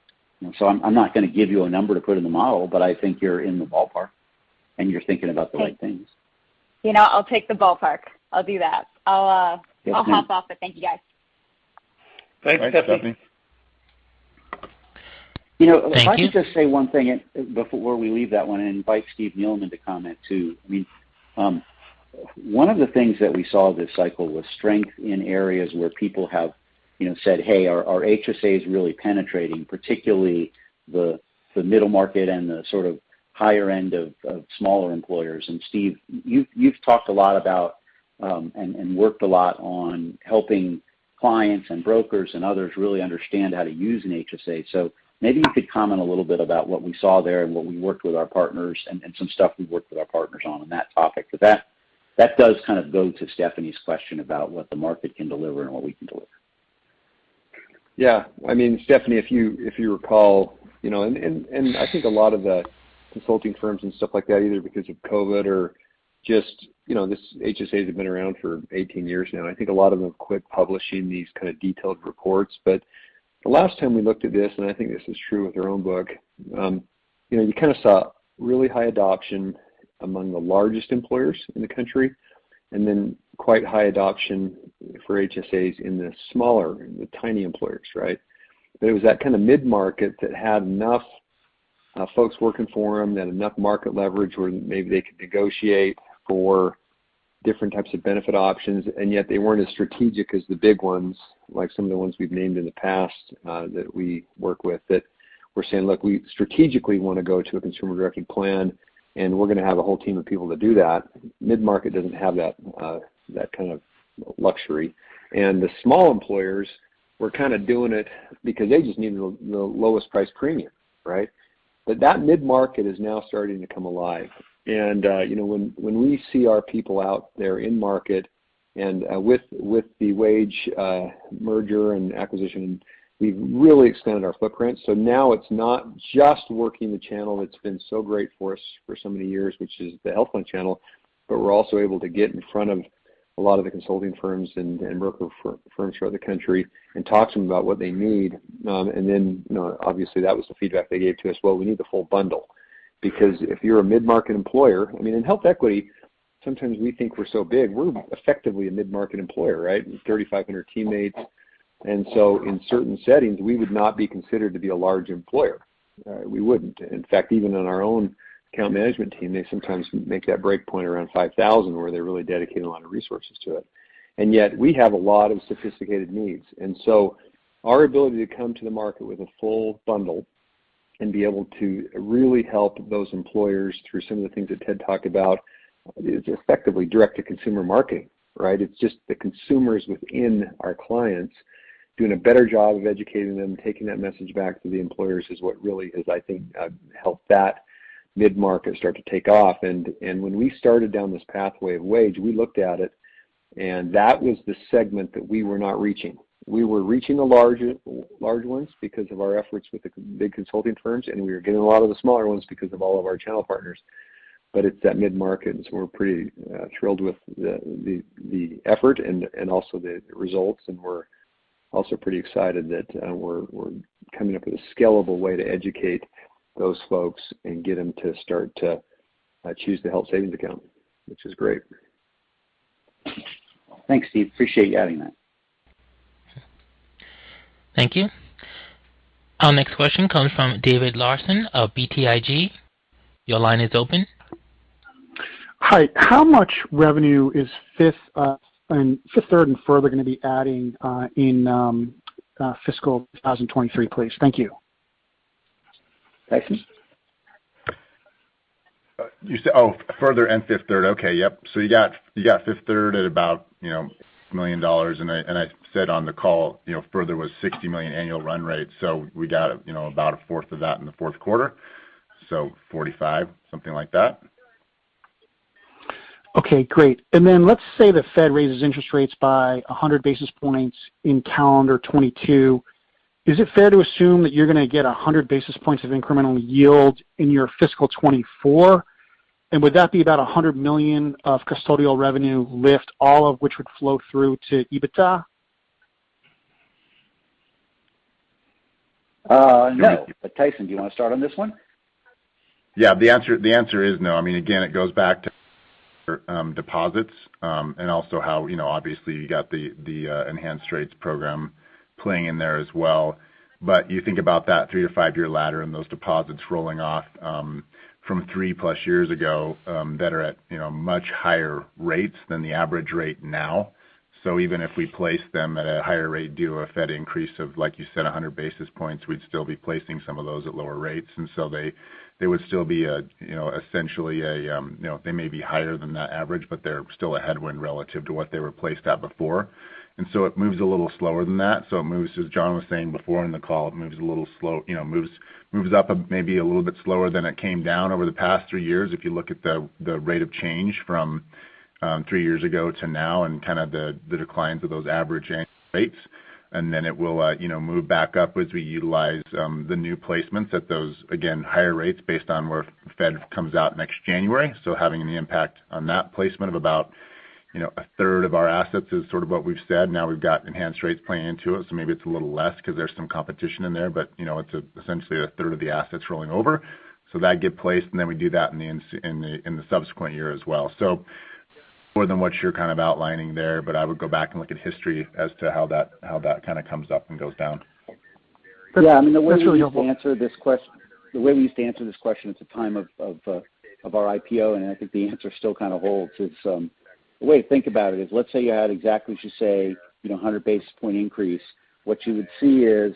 C: not gonna give you a number to put in the model, but I think you're in the ballpark, and you're thinking about the right things.
I: You know, I'll take the ballpark. I'll do that.
C: Yeah.
I: I'll hop off it. Thank you, guys.
J: Thanks, Stephanie.
C: Thanks, Stephanie.
J: Thank you.
C: You know, if I could just say one thing before we leave that one and invite Steve Neeleman to comment too. I mean, one of the things that we saw this cycle was strength in areas where people have, you know, said, "Hey, our HSA is really penetrating," particularly the middle market and the sort of higher end of smaller employers. Steve, you've talked a lot about and worked a lot on helping clients and brokers and others really understand how to use an HSA. Maybe you could comment a little bit about what we saw there and what we worked with our partners and some stuff we worked with our partners on that topic. That does kind of go to Stephanie's question about what the market can deliver and what we can deliver.
J: Yeah. I mean, Stephanie, if you recall, you know, and I think a lot of the consulting firms and stuff like that, either because of COVID or just, you know, this HSAs have been around for 18 years now, and I think a lot of them quit publishing these kinda detailed reports. The last time we looked at this, and I think this is true with our own book, you know, you kinda saw really high adoption among the largest employers in the country, and then quite high adoption for HSAs in the smaller, the tiny employers, right? It was that kinda mid-market that had enough folks working for them, had enough market leverage where maybe they could negotiate for different types of benefit options, and yet they weren't as strategic as the big ones, like some of the ones we've named in the past, that we work with, that were saying, "Look, we strategically wanna go to a consumer-directed plan, and we're gonna have a whole team of people to do that." Mid-market doesn't have that kind of luxury. The small employers were kinda doing it because they just needed the lowest price premium, right? That mid-market is now starting to come alive. You know, when we see our people out there in market and with the WageWorks merger and acquisition, we've really expanded our footprint. Now it's not just working the channel that's been so great for us for so many years, which is the HealthONE channel, but we're also able to get in front of a lot of the consulting firms and broker firms throughout the country and talk to them about what they need. And then, you know, obviously, that was the feedback they gave to us. "Well, we need the whole bundle." Because if you're a mid-market employer, I mean, in HealthEquity, sometimes we think we're so big, we're effectively a mid-market employer, right? 3,500 teammates, and so in certain settings, we would not be considered to be a large employer. We wouldn't. In fact, even on our own account management team, they sometimes make that break point around 5,000, where they really dedicate a lot of resources to it. Yet we have a lot of sophisticated needs. Our ability to come to the market with a full bundle and be able to really help those employers through some of the things that Ted talked about is effectively direct-to-consumer marketing, right? It's just the consumers within our clients doing a better job of educating them, taking that message back to the employers is what really has, I think, helped that mid-market start to take off. When we started down this pathway of WageWorks, we looked at it, and that was the segment that we were not reaching. We were reaching the large ones because of our efforts with the big consulting firms, and we were getting a lot of the smaller ones because of all of our channel partners. It's that mid-market, and so we're pretty thrilled with the effort and also the results. We're also pretty excited that we're coming up with a scalable way to educate those folks and get them to start to choose the health savings account, which is great.
C: Thanks, Steve. I appreciate you adding that.
A: Thank you. Our next question comes from David Larsen of BTIG. Your line is open.
K: Hi. How much revenue is Fifth Third and Further going to be adding in fiscal 2023, please? Thank you.
C: Tyson?
D: You said oh, Further and Fifth Third. Okay. Yep. You got Fifth Third at about, you know, $6 million. I said on the call, you know, Further was $60 million annual run rate. We got, you know, about a fourth of that in the Q4, so 45, something like that.
K: Okay, great. Then let's say the Fed raises interest rates by 100 basis points in calendar 2022, is it fair to assume that you're gonna get 100 basis points of incremental yield in your fiscal 2024? Would that be about $100 million of custodial revenue lift, all of which would flow through to EBITDA?
C: No. Tyson, do you want to start on this one?
D: Yeah. The answer is no. I mean, again, it goes back to deposits and also how, you know, obviously you got the Enhanced Rates program playing in there as well. You think about that three to five-year ladder and those deposits rolling off from three+ years ago that are at, you know, much higher rates than the average rate now. Even if we place them at a higher rate due to a Fed increase of, like you said, 100 basis points, we'd still be placing some of those at lower rates. They would still be, you know, essentially a headwind relative to what they were placed at before. They may be higher than that average, but they're still a headwind relative to what they were placed at before. It moves a little slower than that. It moves, as Jon was saying before in the call, a little slow, you know, up maybe a little bit slower than it came down over the past three years if you look at the rate of change from three years ago to now and kind of the declines of those average annual rates. It will, you know, move back up as we utilize the new placements at those, again, higher rates based on where Fed comes out next January. Having an impact on that placement of about, you know, a third of our assets is sort of what we've said. Now we've got Enhanced Rates playing into it, so maybe it's a little less because there's some competition in there. But, you know, it's essentially a third of the assets rolling over. That get placed, and then we do that in the subsequent year as well. More than what you're kind of outlining there, but I would go back and look at history as to how that kind of comes up and goes down.
K: That's really helpful.
C: Yeah. I mean, the way we used to answer this question at the time of our IPO, and I think the answer still kind of holds, is the way to think about it is let's say you had exactly, as you say, you know, a 100 basis point increase. What you would see is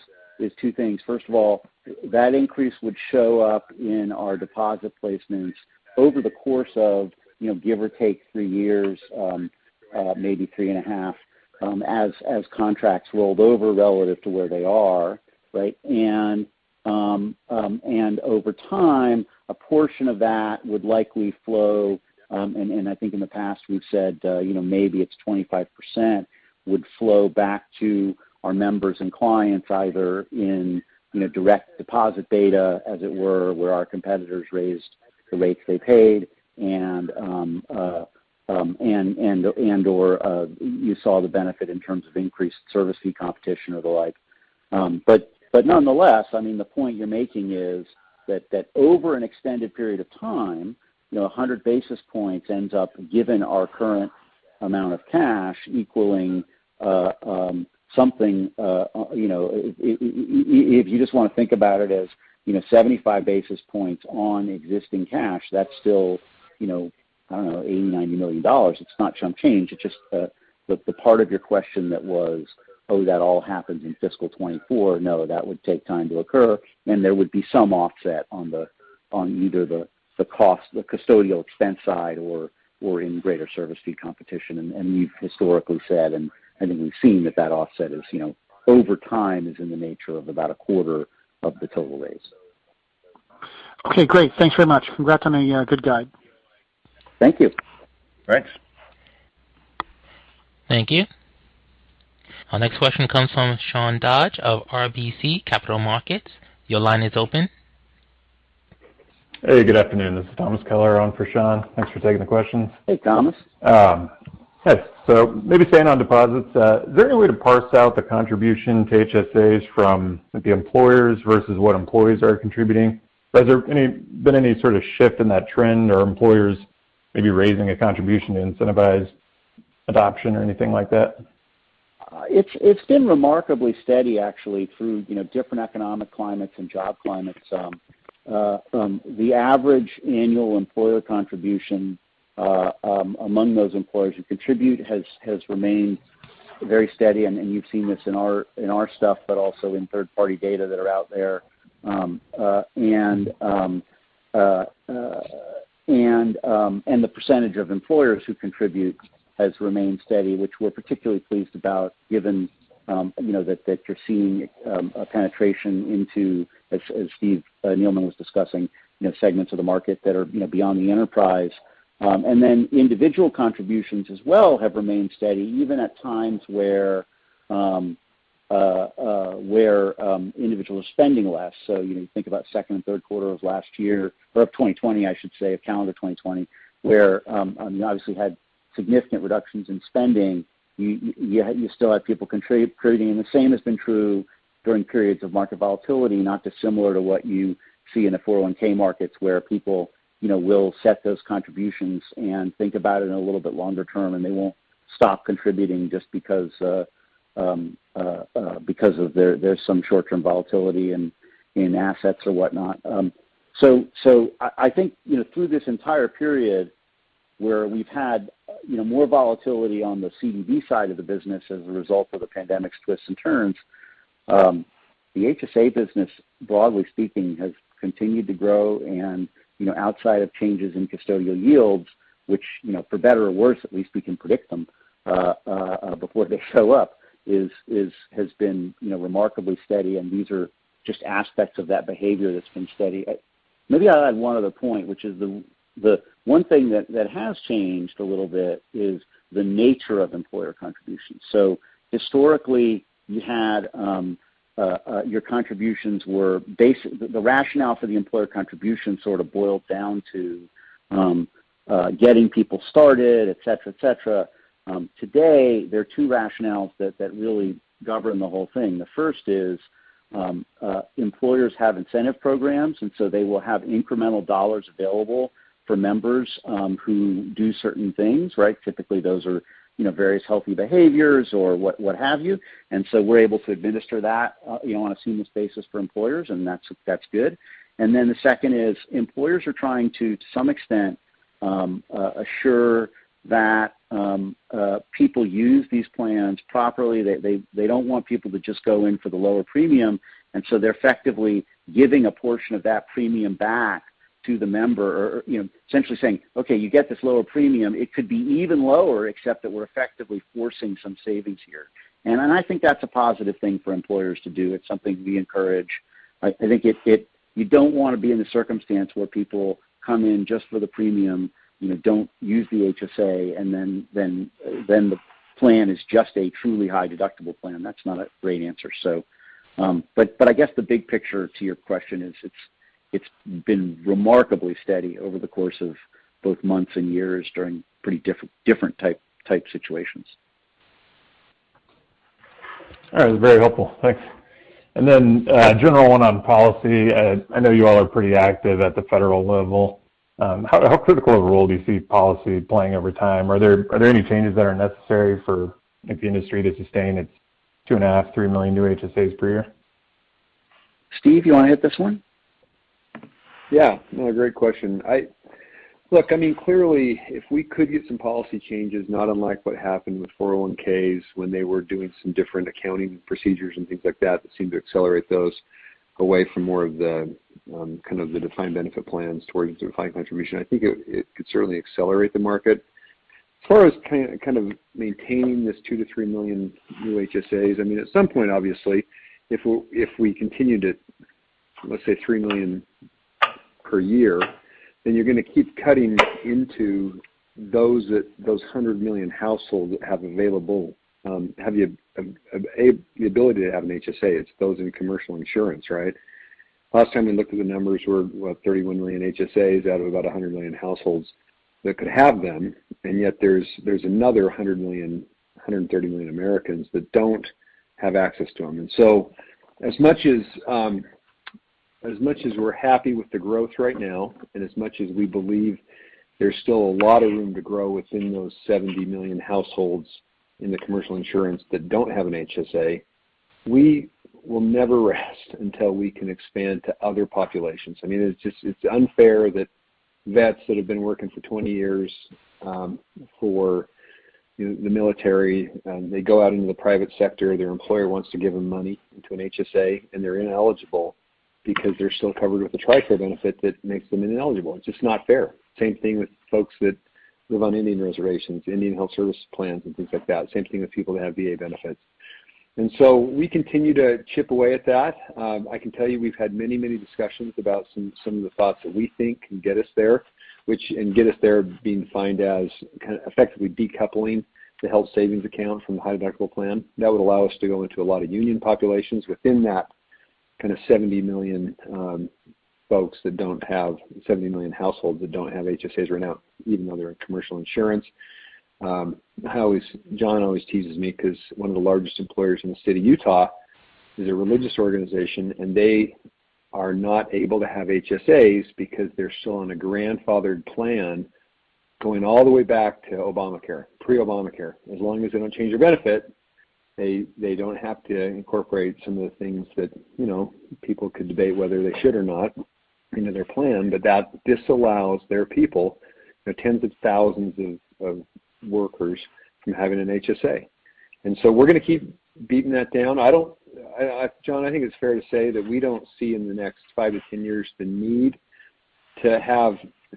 C: two things. First of all, that increase would show up in our deposit placements over the course of, you know, give or take three years, maybe three and a half, as contracts rolled over relative to where they are, right? Over time, a portion of that would likely flow, and I think in the past we've said, you know, maybe it's 25% would flow back to our members and clients, either in, you know, direct deposit data, as it were, where our competitors raised the rates they paid and/or you saw the benefit in terms of increased service fee competition or the like. But nonetheless, I mean, the point you're making is that over an extended period of time, you know, 100 basis points ends up, given our current amount of cash, equaling something, you know. If you just wanna think about it as, you know, 75 basis points on existing cash, that's still, you know, I don't know, $80 million-$90 million. It's not chump change. It's just the part of your question that was, "Oh, that all happens in fiscal 2024." No, that would take time to occur, and there would be some offset on either the cost, the custodial expense side or in greater service fee competition. We've historically said, and I think we've seen that offset is, you know, over time in the nature of about a quarter of the total raise.
K: Okay, great. Thanks very much. Congrats on a good guide.
C: Thank you.
D: Thanks.
A: Thank you. Our next question comes from Sean Dodge of RBC Capital Markets. Your line is open.
L: Hey, good afternoon. This is Thomas Keller on for Sean. Thanks for taking the questions.
C: Hey, Thomas.
L: Hey. Maybe staying on deposits, is there any way to parse out the contribution to HSAs from the employers versus what employees are contributing? Has there been any sort of shift in that trend or employers maybe raising a contribution to incentivize adoption or anything like that?
C: It's been remarkably steady actually through, you know, different economic climates and job climates. The average annual employer contribution among those employers who contribute has remained very steady. You've seen this in our stuff, but also in third-party data that are out there. The percentage of employers who contribute has remained steady, which we're particularly pleased about given, you know, that you're seeing a penetration into, as Steve Neeleman was discussing, you know, segments of the market that are, you know, beyond the enterprise. Individual contributions as well have remained steady, even at times where individual spending less. You know, think about second and Q3 of last year or of 2020, I should say, of calendar 2020, where I mean, obviously had significant reductions in spending. You still have people contributing. The same has been true during periods of market volatility, not dissimilar to what you see in the 401(k) markets where people, you know, will set those contributions and think about it in a little bit longer term, and they won't stop contributing just because because of their. There's some short-term volatility in assets or whatnot. I think, you know, through this entire period where we've had, you know, more volatility on the CDB side of the business as a result of the pandemic's twists and turns, the HSA business, broadly speaking, has continued to grow and, you know, outside of changes in custodial yields, which, you know, for better or worse, at least we can predict them before they show up, has been, you know, remarkably steady. These are just aspects of that behavior that's been steady. Maybe I'll add one other point, which is the one thing that has changed a little bit is the nature of employer contributions. Historically, your contributions were basic. The rationale for the employer contribution sort of boiled down to getting people started, et cetera. Today, there are two rationales that really govern the whole thing. The first is, employers have incentive programs, and so they will have incremental dollars available for members, who do certain things, right? Typically, those are, you know, various healthy behaviors or what have you. We're able to administer that, you know, on a seamless basis for employers, and that's good. The second is employers are trying to some extent, assure that people use these plans properly. They don't want people to just go in for the lower premium, and so they're effectively giving a portion of that premium back to the member or, you know, essentially saying, "Okay, you get this lower premium, it could be even lower, except that we're effectively forcing some savings here." I think that's a positive thing for employers to do. It's something we encourage. You don't wanna be in the circumstance where people come in just for the premium, you know, don't use the HSA, and then the plan is just a truly high deductible plan. That's not a great answer. I guess the big picture to your question is it's been remarkably steady over the course of both months and years during pretty different type situations.
L: All right. Very helpful. Thanks. General one on policy. I know you all are pretty active at the federal level. How critical of a role do you see policy playing over time? Are there any changes that are necessary for the industry to sustain its 2.5 million-3 million new HSAs per year?
C: Steve, you wanna hit this one?
J: Yeah. No, great question. Look, I mean, clearly, if we could get some policy changes, not unlike what happened with 401(k)s when they were doing some different accounting procedures and things like that seemed to accelerate those away from more of the kind of the defined benefit plans towards the defined contribution. I think it could certainly accelerate the market. As far as kind of maintaining this 2 million-3 million new HSAs, I mean, at some point, obviously, if we continue to, let's say, 3 million per year, then you're gonna keep cutting into those that those 100 million households that have available, have the the ability to have an HSA. It's those in commercial insurance, right? Last time we looked at the numbers, we're what, 31 million HSAs out of about 100 million households that could have them, and yet there's another 100 million, 130 million Americans that don't have access to them. As much as we're happy with the growth right now, and as much as we believe there's still a lot of room to grow within those 70 million households in the commercial insurance that don't have an HSA, we will never rest until we can expand to other populations. I mean, it's just, it's unfair that vets that have been working for 20 years for the military, they go out into the private sector, their employer wants to give them money into an HSA, and they're ineligible because they're still covered with a TRICARE benefit that makes them ineligible. It's just not fair. Same thing with folks that live on Indian reservations, Indian Health Service plans and things like that. Same thing with people that have VA benefits. We continue to chip away at that. I can tell you we've had many discussions about some of the thoughts that we think can get us there, and get us there being defined as kinda effectively decoupling the health savings account from the high deductible plan. That would allow us to go into a lot of union populations within that kinda 70 million households that don't have HSAs right now, even though they're in commercial insurance. I always Jon always teases me because one of the largest employers in the state of Utah is a religious organization, and they are not able to have HSAs because they're still on a grandfathered plan going all the way back to Obamacare, pre-Obamacare. As long as they don't change their benefit, they don't have to incorporate some of the things that, you know, people could debate whether they should or not into their plan. But that disallows their people, you know, tens of thousands of workers from having an HSA. We're gonna keep beating that down. I don't. Jon, I think it's fair to say that we don't see in the next five-10 years the need to have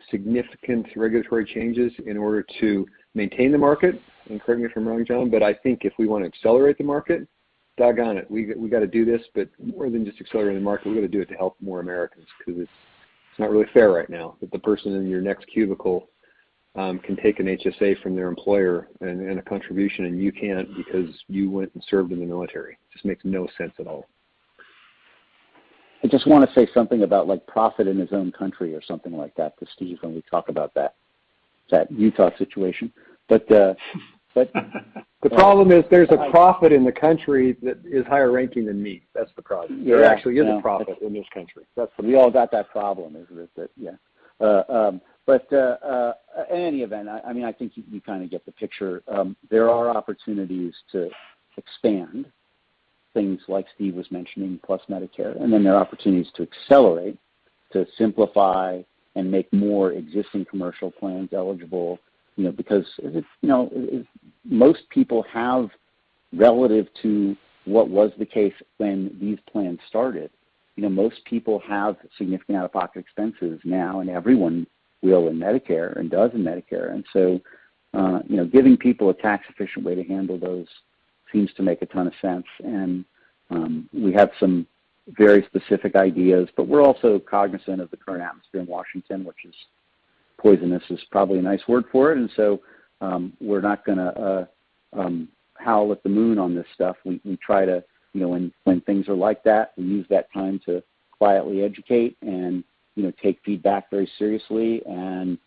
J: significant regulatory changes in order to maintain the market, and correct me if I'm wrong, Jon, but I think if we wanna accelerate the market, doggone it, we gotta do this. More than just accelerating the market, we gotta do it to help more Americans 'cause it's not really fair right now that the person in your next cubicle can take an HSA from their employer and a contribution, and you can't because you went and served in the military. Just makes no sense at all.
C: I just wanna say something about, like, profit in his own country or something like that to Steve when we talk about that Utah situation. The problem is there's a prophet in the country that is higher ranking than me. That's the problem. There actually is a prophet in this country. We all got that problem, isn't it? Yeah. Anyway, I mean, I think you kinda get the picture. There are opportunities to expand things like Steve was mentioning, plus Medicare, and then there are opportunities to accelerate, to simplify and make more existing commercial plans eligible, you know, because if, you know, if most people have relative to what was the case when these plans started, you know, most people have significant out-of-pocket expenses now, and everyone will in Medicare and does in Medicare. You know, giving people a tax-efficient way to handle those seems to make a ton of sense. We have some very specific ideas, but we're also cognizant of the current atmosphere in Washington, which is poisonous, is probably a nice word for it. We're not gonna howl at the moon on this stuff. We try to, you know, when things are like that, we use that time to quietly educate and, you know, take feedback very seriously and,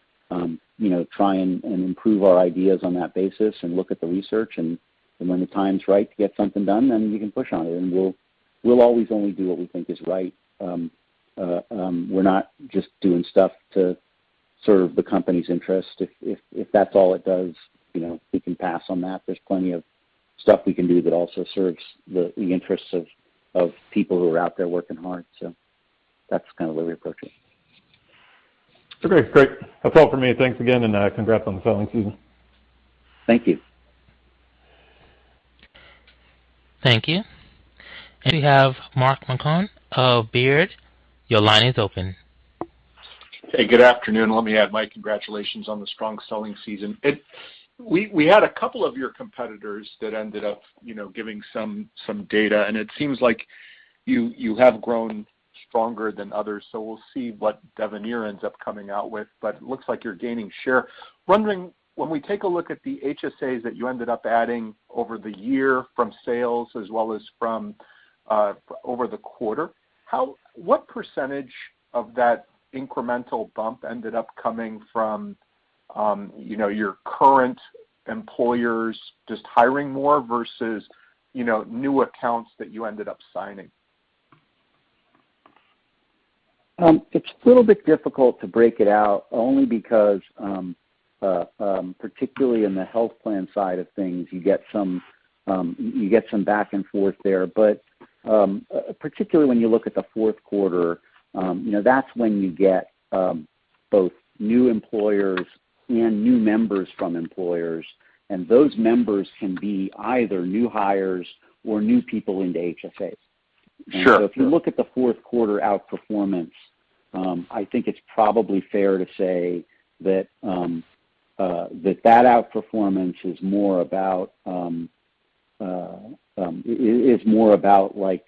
C: you know, try and improve our ideas on that basis and look at the research. When the time's right to get something done, then we can push on it, and we'll always only do what we think is right. We're not just doing stuff to serve the company's interest. If that's all it does, you know, we can pass on that. There's plenty of stuff we can do that also serves the interests of people who are out there working hard. That's kinda the way we approach it.
L: Okay, great. That's all for me. Thanks again, and congrats on the selling season.
C: Thank you.
A: Thank you. We have Mark Marcon of Baird. Your line is open.
M: Hey, good afternoon. Let me add my congratulations on the strong selling season. We had a couple of your competitors that ended up, you know, giving some data, and it seems like you have grown stronger than others, so we'll see what Devenir ends up coming out with, but it looks like you're gaining share. Wondering, when we take a look at the HSAs that you ended up adding over the year from sales as well as from over the quarter, what percentage of that incremental bump ended up coming from, you know, your current employers just hiring more versus, you know, new accounts that you ended up signing?
C: It's a little bit difficult to break it out only because, particularly in the health plan side of things, you get some back and forth there. Particularly when you look at the Q4, you know, that's when you get both new employers and new members from employers, and those members can be either new hires or new people into HSAs.
M: Sure.
C: If you look at the Q4 outperformance, I think it's probably fair to say that that outperformance is more about like,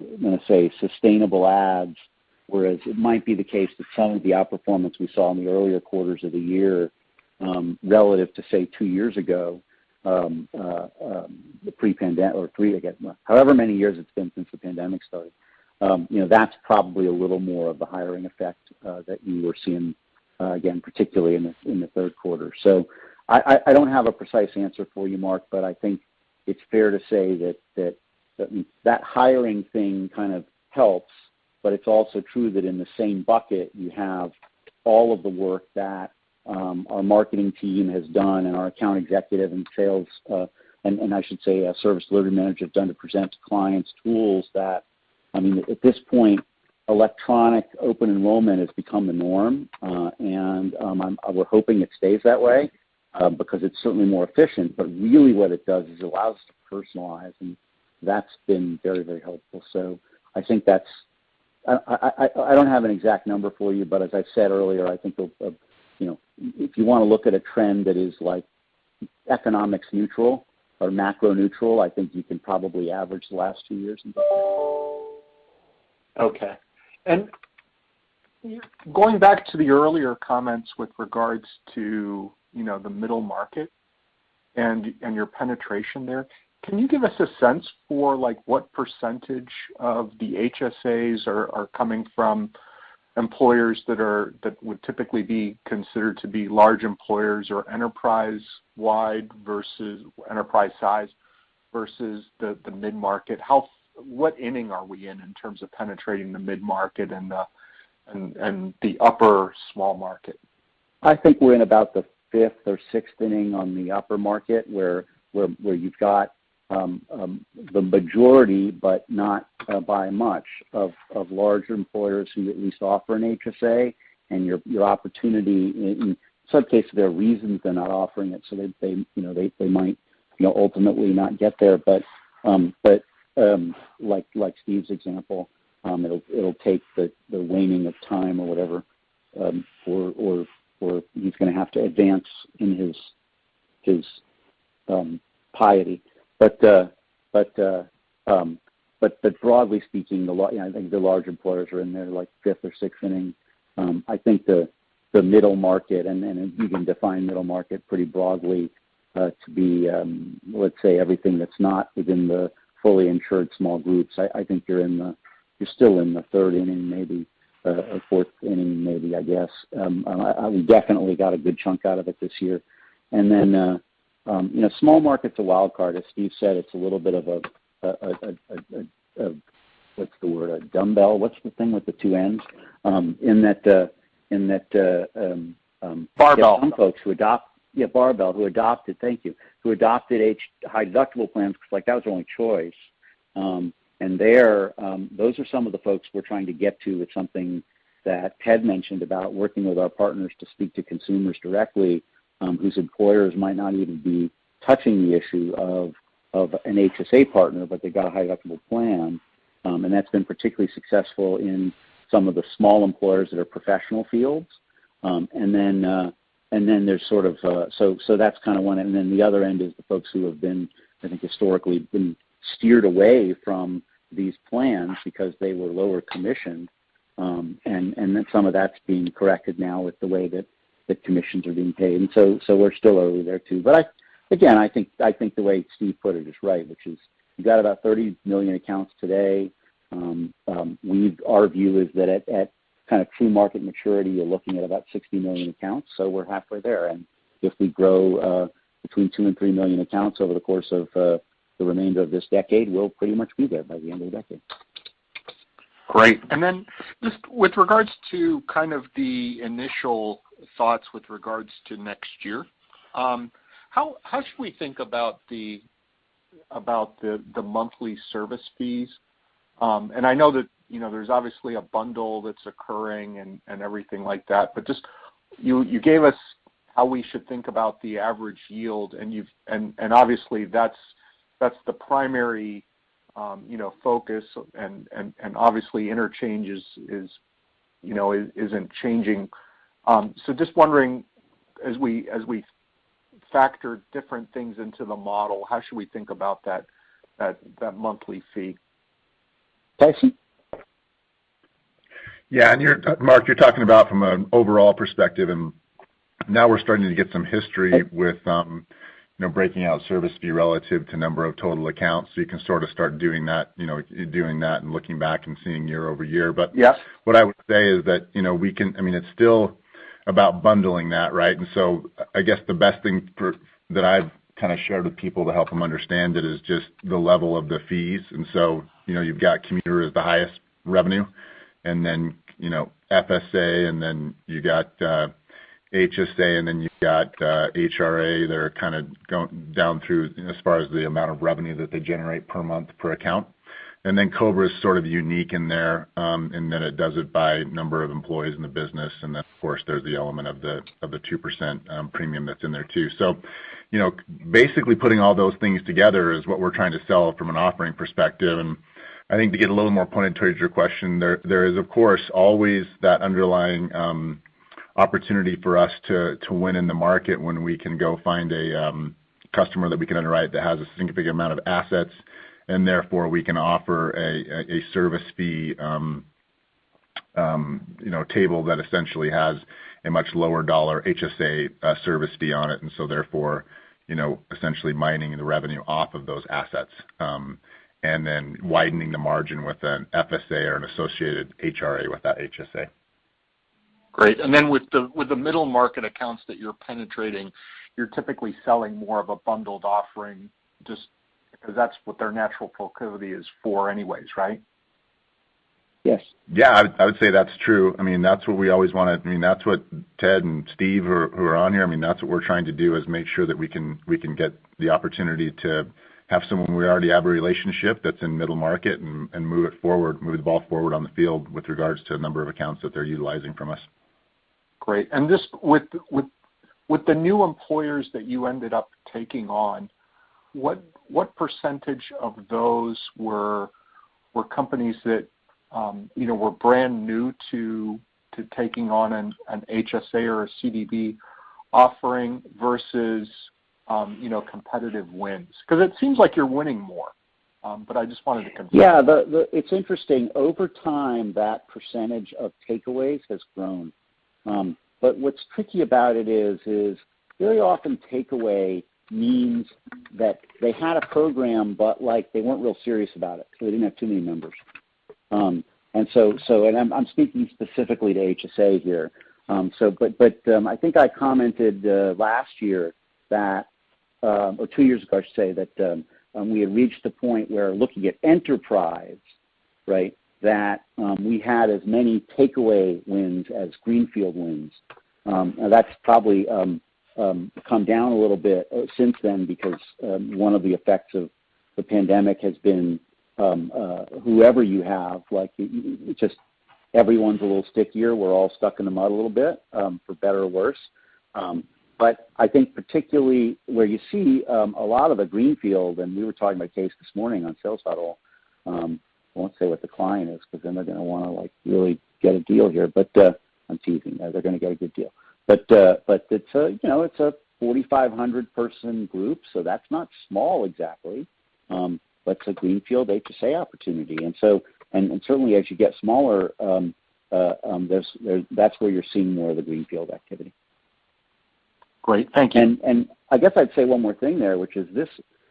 C: I'm gonna say sustainable adds, whereas it might be the case that some of the outperformance we saw in the earlier quarters of the year relative to, say, two years ago, the pre-pandemic, again, however many years it's been since the pandemic started, you know, that's probably a little more of the hiring effect that you were seeing again, particularly in the Q3. I don't have a precise answer for you, Mark, but I think it's fair to say that hiring thing kind of helps, but it's also true that in the same bucket you have all of the work that our marketing team has done and our account executive and sales, and I should say our service delivery manager have done to present to clients tools that, I mean, at this point, electronic open enrollment has become the norm, and we're hoping it stays that way, because it's certainly more efficient. But really what it does is it allows us to personalize, and that's been very helpful. I think that's I don't have an exact number for you, but as I said earlier, I think we'll, you know, if you wanna look at a trend that is, like, economics neutral or macro neutral, I think you can probably average the last two years and.
M: Okay. Going back to the earlier comments with regards to, you know, the middle market and your penetration there, can you give us a sense for, like, what percentage of the HSAs are coming from employers that would typically be considered to be large employers or enterprise-wide versus enterprise-size versus the mid-market? What inning are we in in terms of penetrating the mid-market and the upper small market?
C: I think we're in about the fifth or sixth inning on the employer market, where you've got the majority, but not by much, of large employers who at least offer an HSA and your opportunity in some cases there are reasons they're not offering it, so they you know they might you know ultimately not get there. Like Steve's example, it'll take the waning of time or whatever or he's gonna have to advance in his piety. Broadly speaking, I think the large employers are in their like fifth or sixth inning. I think the middle market and you can define middle market pretty broadly to be, let's say everything that's not within the fully insured small groups. I think you're still in the third inning, maybe, or fourth inning, maybe, I guess. I definitely got a good chunk out of it this year. Then, you know, small market's a wild card. As Steve said, it's a little bit of a, what's the word? a dumbbell. What's the thing with the two ends? In that-
M: Barbell-
C: Some folks who adopted high deductible plans 'cause, like, that was the only choice. Those are some of the folks we're trying to get to with something that Ted mentioned about working with our partners to speak to consumers directly, whose employers might not even be touching the issue of an HSA partner, but they've got a high deductible plan. That's been particularly successful in some of the small employers that are professional fields. There's sort of. That's kind of one, and then the other end is the folks who have been, I think, historically steered away from these plans because they were lower commission, and then some of that's being corrected now with the way commissions are being paid. We're still early there too. But again, I think the way Steve put it is right, which is you got about 30 million accounts today. Our view is that at kind of true market maturity, you're looking at about 60 million accounts, so we're halfway there. If we grow between 2 and 3 million accounts over the course of the remainder of this decade, we'll pretty much be there by the end of the decade.
M: Great. Then just with regards to kind of the initial thoughts with regards to next year, how should we think about the monthly service fees? I know that, you know, there's obviously a bundle that's occurring and everything like that, but just, you gave us how we should think about the average yield, and obviously that's the primary, you know, focus and obviously interchange is, you know, isn't changing. Just wondering as we factor different things into the model, how should we think about that monthly fee?
C: Steve?
D: Mark, you're talking about from an overall perspective, and now we're starting to get some history with, you know, breaking out service fee relative to number of total accounts. You can sort of start doing that, you know, and looking back and seeing year-over-year. But
M: Yep.
D: What I would say is that, you know, I mean, it's still about bundling that, right? I guess the best thing that I've kinda shared with people to help them understand it is just the level of the fees. You know, you've got commuter as the highest revenue and then, you know, FSA and then you got HSA and then you've got HRA. They're kinda down through as far as the amount of revenue that they generate per month per account. COBRA is sort of unique in there in that it does it by number of employees in the business. Of course, there's the element of the 2% premium that's in there too. You know, basically putting all those things together is what we're trying to sell from an offering perspective. I think to get a little more pointed to your question, there is, of course, always that underlying opportunity for us to win in the market when we can go find a customer that we can underwrite that has a significant amount of assets, and therefore, we can offer a service fee table that essentially has a much lower dollar HSA service fee on it, and so therefore, you know, essentially mining the revenue off of those assets, and then widening the margin with an FSA or an associated HRA with that HSA.
M: Great. With the middle market accounts that you're penetrating, you're typically selling more of a bundled offering just because that's what their natural proclivity is for anyways, right?
C: Yes.
J: Yeah. I would say that's true. I mean, that's what Ted and Steve are on here. I mean, that's what we're trying to do, is make sure that we can get the opportunity to have someone where we already have a relationship that's in middle market and move it forward, move the ball forward on the field with regards to the number of accounts that they're utilizing from us.
M: Great. Just with the new employers that you ended up taking on, what percentage of those were companies that, you know, were brand new to taking on an HSA or a CDB offering versus, you know, competitive wins? 'Cause it seems like you're winning more. I just wanted to confirm.
C: Yeah. It's interesting. Over time, that percentage of takeaways has grown. What's tricky about it is very often takeaway means that they had a program, but, like, they weren't real serious about it, so they didn't have too many members. I'm speaking specifically to HSA here. I think I commented last year that, or two years ago I should say, that we had reached the point where looking at enterprise, right? That we had as many takeaway wins as greenfield wins. Now that's probably come down a little bit since then because one of the effects of the pandemic has been whoever you have, like, you just everyone's a little stickier. We're all stuck in the mud a little bit, for better or worse. I think particularly where you see a lot of the greenfield, and we were talking about a case this morning on sales huddle, I won't say what the client is because then they're gonna wanna, like, really get a deal here. I'm teasing. They're gonna get a good deal. It's a, you know, it's a 4,500-person group, so that's not small exactly. It's a greenfield HSA opportunity. Certainly as you get smaller, that's where you're seeing more of the greenfield activity.
M: Great. Thank you.
C: I guess I'd say one more thing there, which is this.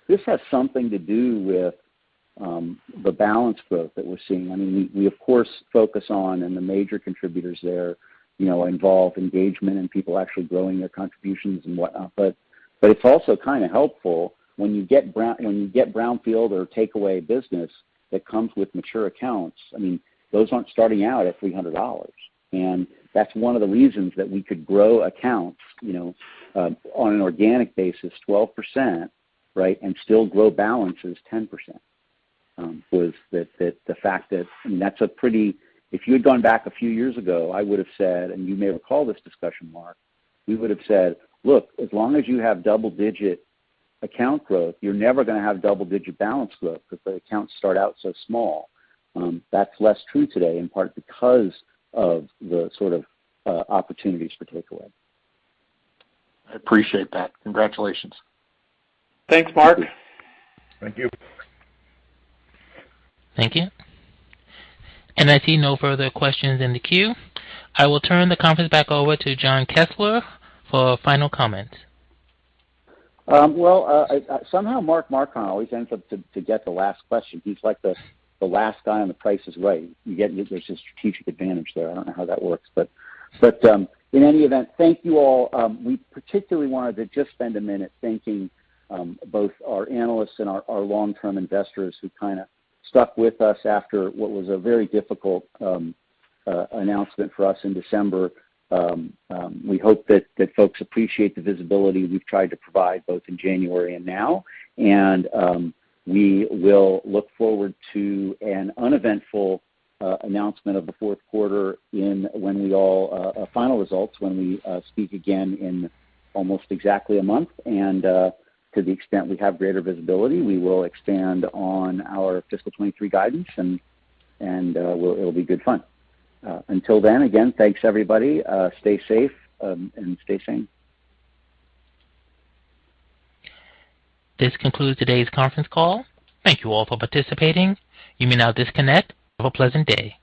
C: This has something to do with the balance growth that we're seeing. I mean, we of course focus on and the major contributors there, you know, involve engagement and people actually growing their contributions and whatnot. It's also kinda helpful when you get brownfield or takeover business that comes with mature accounts. I mean, those aren't starting out at $300. That's one of the reasons that we could grow accounts, you know, on an organic basis 12%, right, and still grow balance as 10%. That was the fact that. If you had gone back a few years ago, I would have said, and you may recall this discussion, Mark, we would have said, "Look, as long as you have double-digit account growth, you're never gonna have double-digit balance growth because the accounts start out so small." That's less true today, in part because of the sort of, opportunities for takeaway.
M: I appreciate that. Congratulations.
C: Thanks, Mark.
J: Thank you.
A: Thank you. I see no further questions in the queue. I will turn the conference back over to Jon Kessler for a final comment.
C: Somehow Mark Marcon always ends up to get the last question. He's like the last guy on The Price Is Right. You get there's a strategic advantage there. I don't know how that works. In any event, thank you all. We particularly wanted to just spend a minute thanking both our analysts and our long-term investors who kinda stuck with us after what was a very difficult announcement for us in December. We hope that folks appreciate the visibility we've tried to provide both in January and now. We will look forward to an uneventful announcement of the Q4 final results when we speak again in almost exactly a month. To the extent we have greater visibility, we will expand on our fiscal 2023 guidance, and it'll be good fun. Until then, again, thanks everybody. Stay safe, and stay sane.
A: This concludes today's conference call. Thank you all for participating. You may now disconnect. Have a pleasant day.